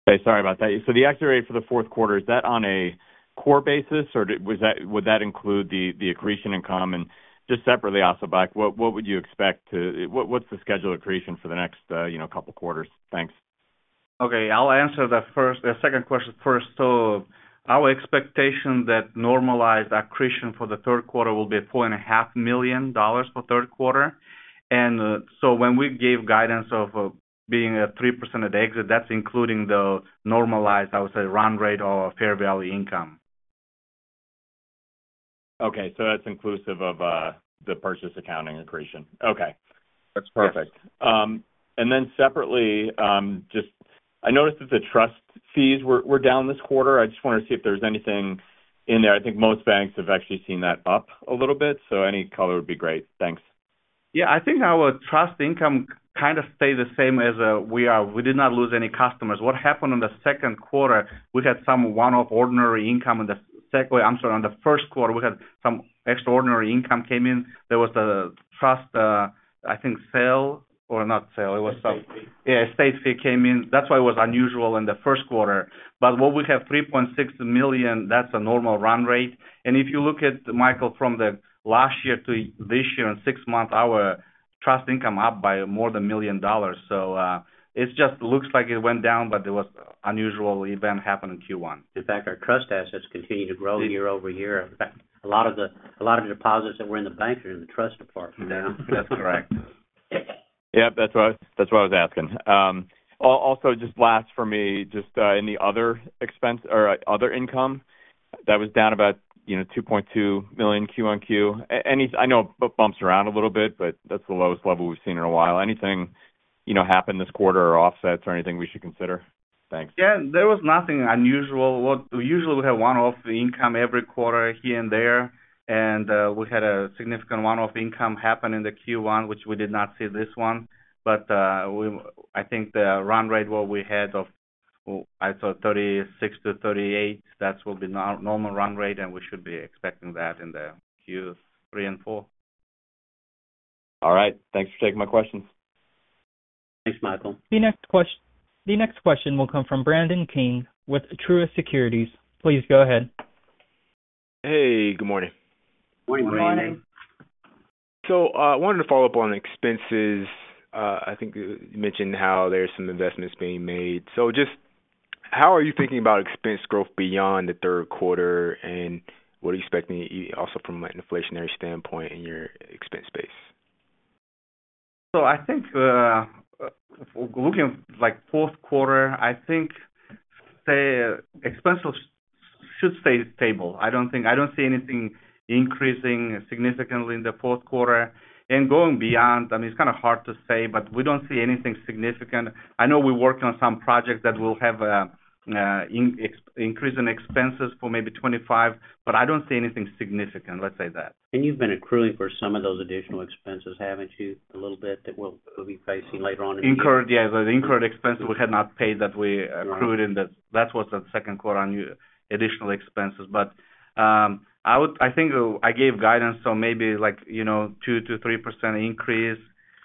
L: Okay, sorry about that. So the exit rate for the fourth quarter, is that on a core basis, or would that, would that include the, the accretion income? Just separately, Asylbek, what, what would you expect to-- what's the scheduled accretion for the next, you know, couple quarters? Thanks....
D: Okay, I'll answer the first, the second question first. So our expectation that normalized accretion for the third quarter will be $4.5 million for third quarter. And, so when we gave guidance of being at 3% at exit, that's including the normalized, I would say, run rate of fair value income.
L: Okay, so that's inclusive of, the Purchase Accounting accretion?
D: Okay. That's perfect.
L: And then separately, just, I noticed that the trust fees were down this quarter. I just wanted to see if there's anything in there. I think most banks have actually seen that up a little bit, so any color would be great. Thanks.
D: Yeah, I think our trust income kind of stayed the same as we did not lose any customers. What happened in the second quarter, we had some one-off ordinary income in the second-- I'm sorry, on the first quarter, we had some extraordinary income came in. There was a trust, I think sale or not sale, it was some-
G: estate fee.
D: Yeah, estate fee came in. That's why it was unusual in the first quarter. But what we have, $3.6 million, that's a normal run rate. And if you look at, Michael, from the last year to this year, in six months, our trust income up by more than $1 million. So, it just looks like it went down, but there was unusual event happened in Q1.
C: In fact, our trust assets continue to grow year over year. In fact, a lot of the, a lot of the deposits that were in the bank are in the trust department now.
D: That's correct.
L: Yeah, that's what, that's what I was asking. Also just last for me, just, any other expense or other income that was down about, you know, $2.2 million Q-on-Q? Any... I know it bumps around a little bit, but that's the lowest level we've seen in a while. Anything, you know, happen this quarter or offsets or anything we should consider? Thanks.
D: Yeah, there was nothing unusual. What we usually have one-off income every quarter here and there, and we had a significant one-off income happen in the Q1, which we did not see this one. But I think the run rate, what we had of, I thought, 36-38, that will be normal run rate, and we should be expecting that in the Q3 and four.
L: All right. Thanks for taking my questions.
C: Thanks, Michael.
A: The next question will come from Brandon King with Truist Securities. Please go ahead.
M: Hey, good morning.
G: Good morning.
C: Good morning.
M: So, I wanted to follow up on expenses. I think you mentioned how there are some investments being made. So just how are you thinking about expense growth beyond the third quarter, and what are you expecting also from an inflationary standpoint in your expense base?
D: So I think, looking like fourth quarter, I think, say, expenses should stay stable. I don't think—I don't see anything increasing significantly in the fourth quarter. And going beyond, I mean, it's kind of hard to say, but we don't see anything significant. I know we worked on some projects that will have, increase in expenses for maybe 2025, but I don't see anything significant, let's say that.
C: And you've been accruing for some of those additional expenses, haven't you, a little bit, that we'll, we'll be facing later on in the year?
D: Incurred, yeah. The incurred expenses we had not paid that we accrued in the... That was the second quarter on additional expenses. But, I would—I think I gave guidance, so maybe like, you know, 2%-3% increase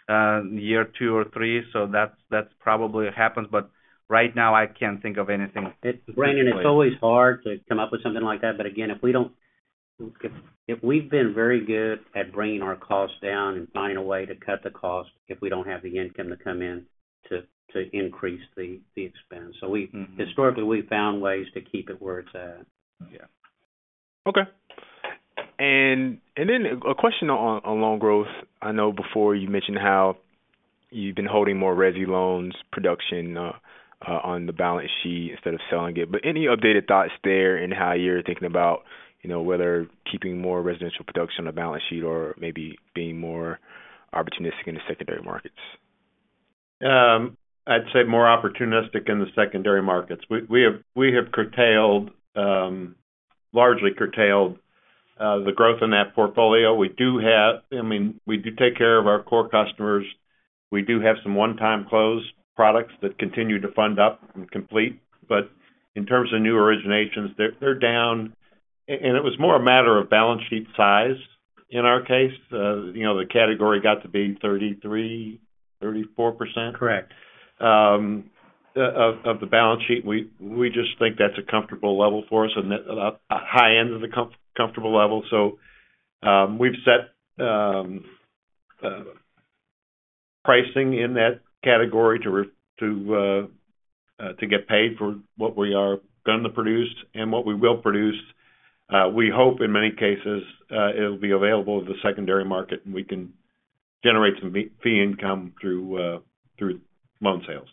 D: in year two or three. So that's, that's probably happens, but right now I can't think of anything.
C: Brandon, it's always hard to come up with something like that. But again, if we don't... If we've been very good at bringing our costs down and finding a way to cut the cost, if we don't have the income to come in to increase the expense.
M: Mm-hmm.
C: So historically, we've found ways to keep it where it's at.
D: Yeah.
M: Okay. And then a question on loan growth. I know before you mentioned how you've been holding more resi loans production on the balance sheet instead of selling it. But any updated thoughts there in how you're thinking about, you know, whether keeping more residential production on the balance sheet or maybe being more opportunistic in the secondary markets?
G: I'd say more opportunistic in the secondary markets. We have largely curtailed the growth in that portfolio. We do have... I mean, we do take care of our core customers. We do have some one-time close products that continue to fund up and complete, but in terms of new originations, they're down. And it was more a matter of balance sheet size in our case. You know, the category got to be 33%-34%?
D: Correct.
G: Off the balance sheet. We just think that's a comfortable level for us and a high end of the comfortable level. So, we've set pricing in that category to get paid for what we are going to produce and what we will produce. We hope in many cases, it'll be available in the secondary market, and we can generate some fee income through loan sales.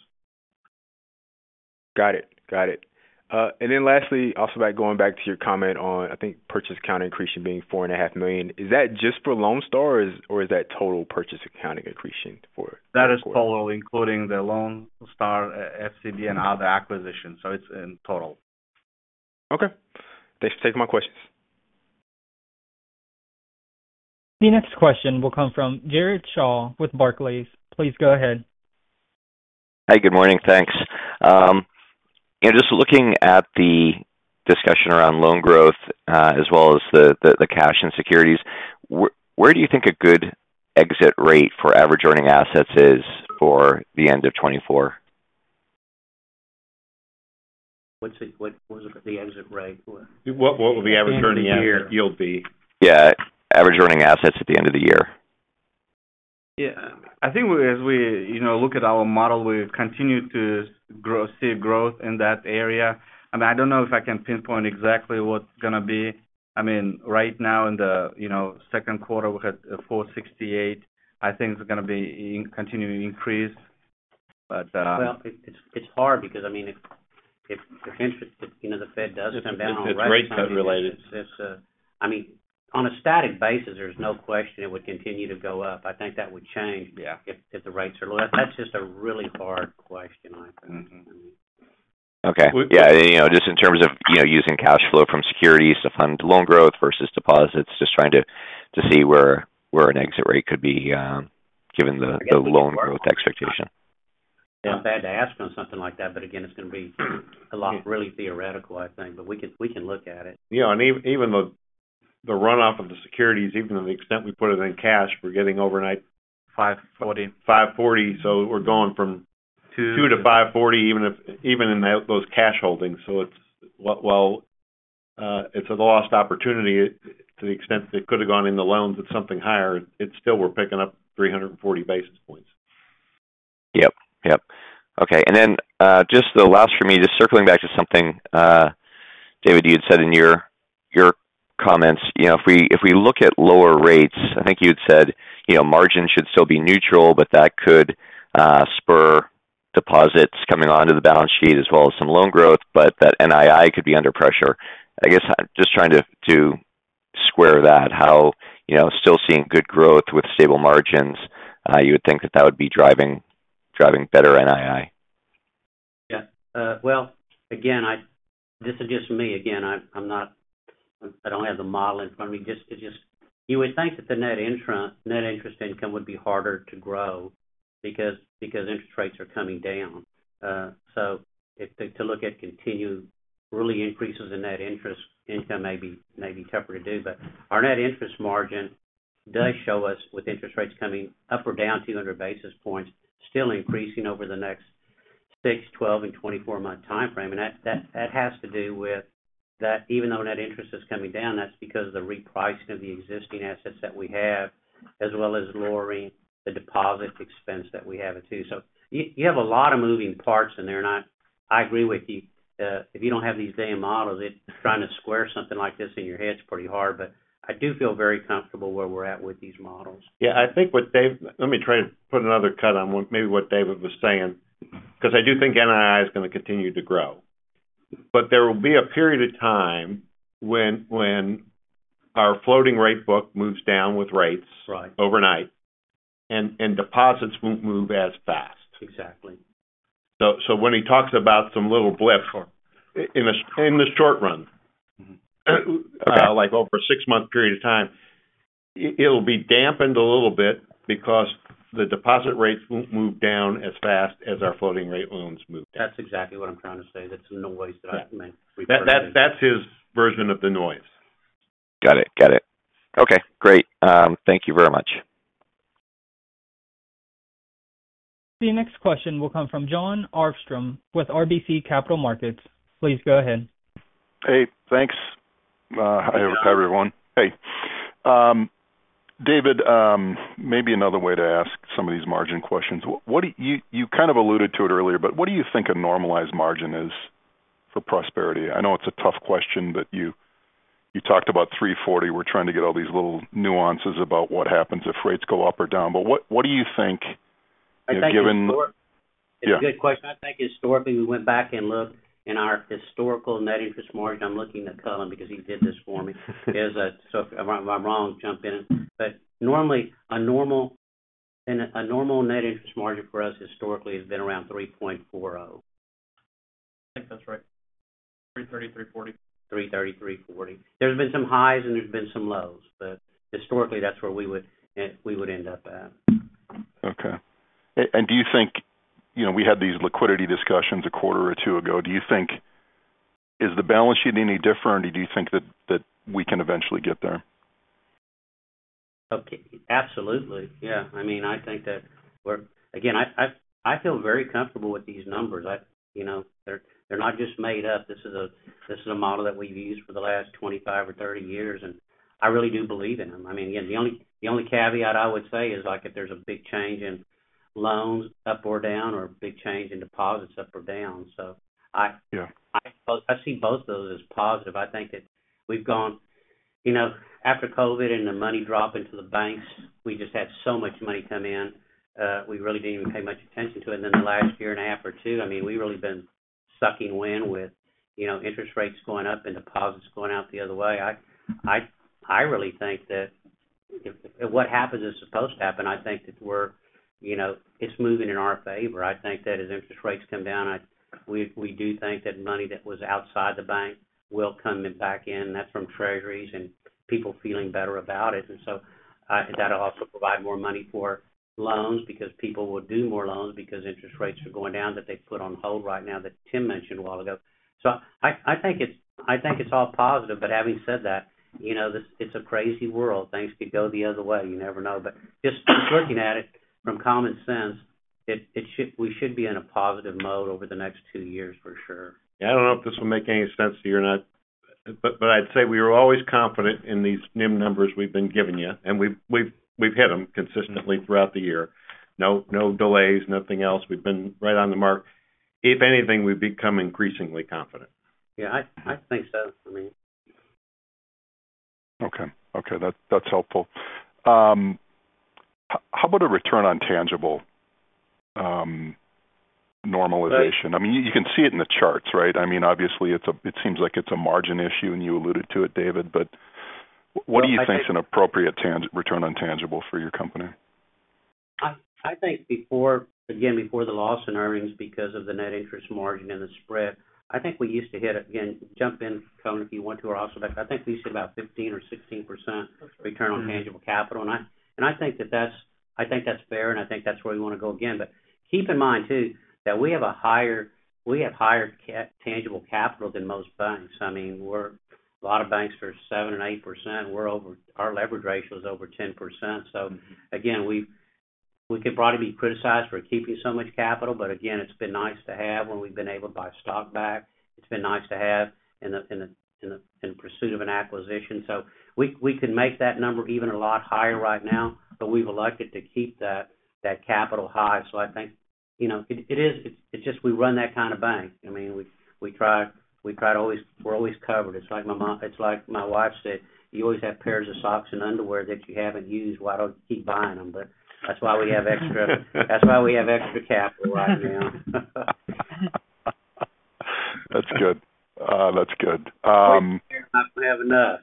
M: Got it. Got it. And then lastly, also by going back to your comment on, I think, purchase accounting accretion being $4.5 million, is that just for Lone Star, or is that total purchase accounting accretion for-
D: That is total, including the Lone Star, FCB and other acquisitions. So it's in total.
M: Okay. Thanks for taking my questions.
A: The next question will come from Jared Shaw with Barclays. Please go ahead.
N: Hi, good morning. Thanks. And just looking at the discussion around loan growth, as well as the cash and securities, where do you think a good exit rate for average earning assets is for the end of 2024?...
C: what's it, the exit rate?
G: What would the average earning yield be?
N: Yeah, average earning assets at the end of the year.
D: Yeah, I think as we, you know, look at our model, we've continued to grow, see growth in that area. I mean, I don't know if I can pinpoint exactly what it's gonna be. I mean, right now in the, you know, second quarter, we're at 468. I think it's gonna be continuing to increase, but,
C: Well, it's hard because, I mean, if interest, you know, the Fed does come down on rates-
G: It's rate correlated.
C: It's, I mean, on a static basis, there's no question it would continue to go up. I think that would change-
D: Yeah...
C: if the rates are low. That's just a really hard question, I think.
D: Mm-hmm.
N: Okay. Yeah, you know, just in terms of, you know, using cash flow from securities to fund loan growth versus deposits, just trying to see where an exit rate could be, given the loan growth expectation.
C: Not bad to ask on something like that, but again, it's gonna be a lot really theoretical, I think. But we can, we can look at it.
G: Yeah, and even the runoff of the securities, even to the extent we put it in cash, we're getting overnight-
D: Five forty.
G: 5.40, so we're going from 2 to 5.40, even if, even in those cash holdings. So it's... Well, well, it's a lost opportunity to the extent that it could have gone in the loans at something higher. It's still we're picking up 340 basis points.
N: Yep, yep. Okay, and then just the last for me, just circling back to something, David, you had said in your comments. You know, if we look at lower rates, I think you'd said, you know, margin should still be neutral, but that could spur deposits coming onto the balance sheet as well as some loan growth, but that NII could be under pressure. I guess I'm just trying to square that, how, you know, still seeing good growth with stable margins, you would think that that would be driving better NII.
C: Yeah. Well, again, this is just me. Again, I, I'm not—I don't have the model in front of me. Just, you would think that the net interest, net interest income would be harder to grow because interest rates are coming down. So, to look at continued really increases in net interest income may be tougher to do, but our net interest margin does show us, with interest rates coming up or down 200 basis points, still increasing over the next 6, 12, and 24-month timeframe. And that has to do with that even though net interest is coming down, that's because of the repricing of the existing assets that we have, as well as lowering the deposit expense that we have, too. So you have a lot of moving parts in there, and I agree with you. If you don't have these damn models, trying to square something like this in your head is pretty hard, but I do feel very comfortable where we're at with these models.
G: Yeah, I think what Dave... Let me try to put another cut on what, maybe what David was saying, because I do think NII is gonna continue to grow. But there will be a period of time when, when our floating rate book moves down with rates-
C: Right
G: - overnight, and deposits won't move as fast.
C: Exactly.
G: So when he talks about some little blip in the short run-
N: Mm-hmm.
G: Like over a six-month period of time, it'll be dampened a little bit because the deposit rates won't move down as fast as our floating rate loans move.
C: That's exactly what I'm trying to say. That's the noise that I make.
G: That's his version of the noise.
N: Got it. Got it. Okay, great. Thank you very much.
A: The next question will come from Jon Arfstrom with RBC Capital Markets. Please go ahead.
O: Hey, thanks. Hi, everyone. Hey, David, maybe another way to ask some of these margin questions. What do you think a normalized margin is for Prosperity? I know it's a tough question, but you talked about 340. We're trying to get all these little nuances about what happens if rates go up or down. But what do you think, you know, given-
C: It's a good question.
O: Yeah.
C: I think historically, we went back and looked in our historical net interest margin. I'm looking at Cullen because he did this for me. He has – so if I'm wrong, jump in. But normally, a normal net interest margin for us historically has been around 3.40.
D: I think that's right. 3.30, 3.40.
C: 3.30, 3.40. There's been some highs and there's been some lows, but historically, that's where we would end up at.
O: Okay. And do you think, you know, we had these liquidity discussions a quarter or two ago. Do you think... Is the balance sheet any different, or do you think that we can eventually get there?
C: Okay. Absolutely. Yeah. I mean, I think that we're, again, I feel very comfortable with these numbers. You know, they're not just made up. This is a model that we've used for the last 25 or 30 years, and I really do believe in them. I mean, again, the only caveat I would say is, like, if there's a big change in loans up or down or a big change in deposits up or down. So I-
O: Yeah...
C: I see both of those as positive. I think that we've gone, you know, after COVID and the money dropped into the banks, we just had so much money come in, we really didn't even pay much attention to it. Then the last year and a half or two, I mean, we've really been sucking wind with, you know, interest rates going up and deposits going out the other way. I really think that if what happens is supposed to happen, I think that we're, you know, it's moving in our favor. I think that as interest rates come down, we do think that money that was outside the bank will come back in, that's from Treasuries and people feeling better about it. And so, that'll also provide more money for loans because people will do more loans because interest rates are going down, that they've put on hold right now, that Tim mentioned a while ago. So I, I think it's, I think it's all positive. But having said that, you know, this, it's a crazy world. Things could go the other way. You never know. But just looking at it from common sense, it, it should, we should be in a positive mode over the next two years for sure.
G: Yeah, I don't know if this will make any sense to you or not… But I'd say we were always confident in these NIM numbers we've been giving you, and we've hit them consistently throughout the year. No delays, nothing else. We've been right on the mark. If anything, we've become increasingly confident.
C: Yeah, I think so, I mean.
O: Okay. Okay, that's, that's helpful. How about a return on tangible normalization? I mean, you can see it in the charts, right? I mean, obviously, it's a margin issue, and you alluded to it, David, but what do you think is an appropriate return on tangible for your company?
C: I, I think before, again, before the loss in earnings, because of the net interest margin and the spread, I think we used to hit it. Again, jump in, Cullen, if you want to, or also, but I think we said about 15% or 16% return on tangible capital. And I, and I think that that's. I think that's fair, and I think that's where we want to go again. But keep in mind, too, that we have a higher, we have higher tangible capital than most banks. I mean, we're, a lot of banks are 7% and 8%. We're over. Our leverage ratio is over 10%. So again, we've, we could probably be criticized for keeping so much capital, but again, it's been nice to have when we've been able to buy stock back. It's been nice to have in pursuit of an acquisition. So we could make that number even a lot higher right now, but we've elected to keep that capital high. So I think, you know, it is, it's just we run that kind of bank. I mean, we try to always-- we're always covered. It's like my wife said, "You always have pairs of socks and underwear that you haven't used. Why don't you keep buying them?" But that's why we have extra capital right now.
O: That's good. That's good.
C: We have enough.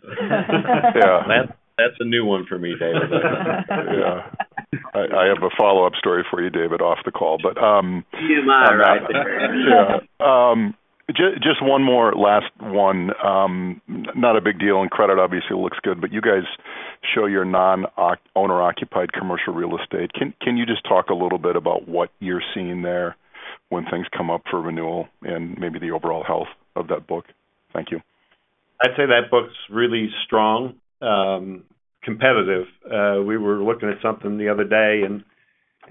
O: Yeah.
G: That's a new one for me, David.
O: Yeah. I, I have a follow-up story for you, David, off the call, but,
C: TMI right there.
O: Yeah. Just one more, last one. Not a big deal, and credit obviously looks good, but you guys show your non-owner-occupied commercial real estate. Can you just talk a little bit about what you're seeing there when things come up for renewal and maybe the overall health of that book? Thank you.
G: I'd say that book's really strong, competitive. We were looking at something the other day, and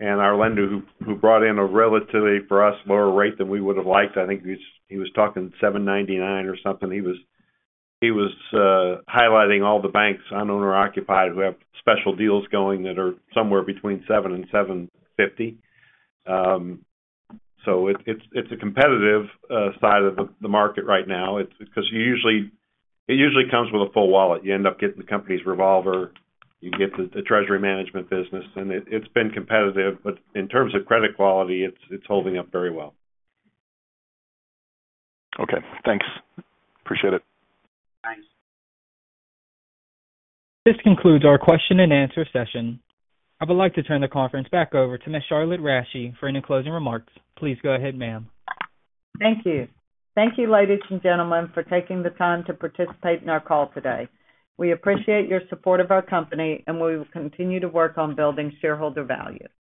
G: our lender, who brought in a relatively, for us, lower rate than we would have liked, I think he was talking 7.99 or something. He was highlighting all the banks, on owner-occupied, who have special deals going that are somewhere between 7 and 7.50. So it's a competitive side of the market right now. It's because you usually-- it usually comes with a full wallet. You end up getting the company's revolver, you get the treasury management business, and it's been competitive. But in terms of credit quality, it's holding up very well.
O: Okay, thanks. Appreciate it.
C: Thanks.
A: This concludes our question and answer session. I would like to turn the conference back over to Ms. Charlotte Rasche for any closing remarks. Please go ahead, ma'am.
B: Thank you. Thank you, ladies and gentlemen, for taking the time to participate in our call today. We appreciate your support of our company, and we will continue to work on building shareholder value.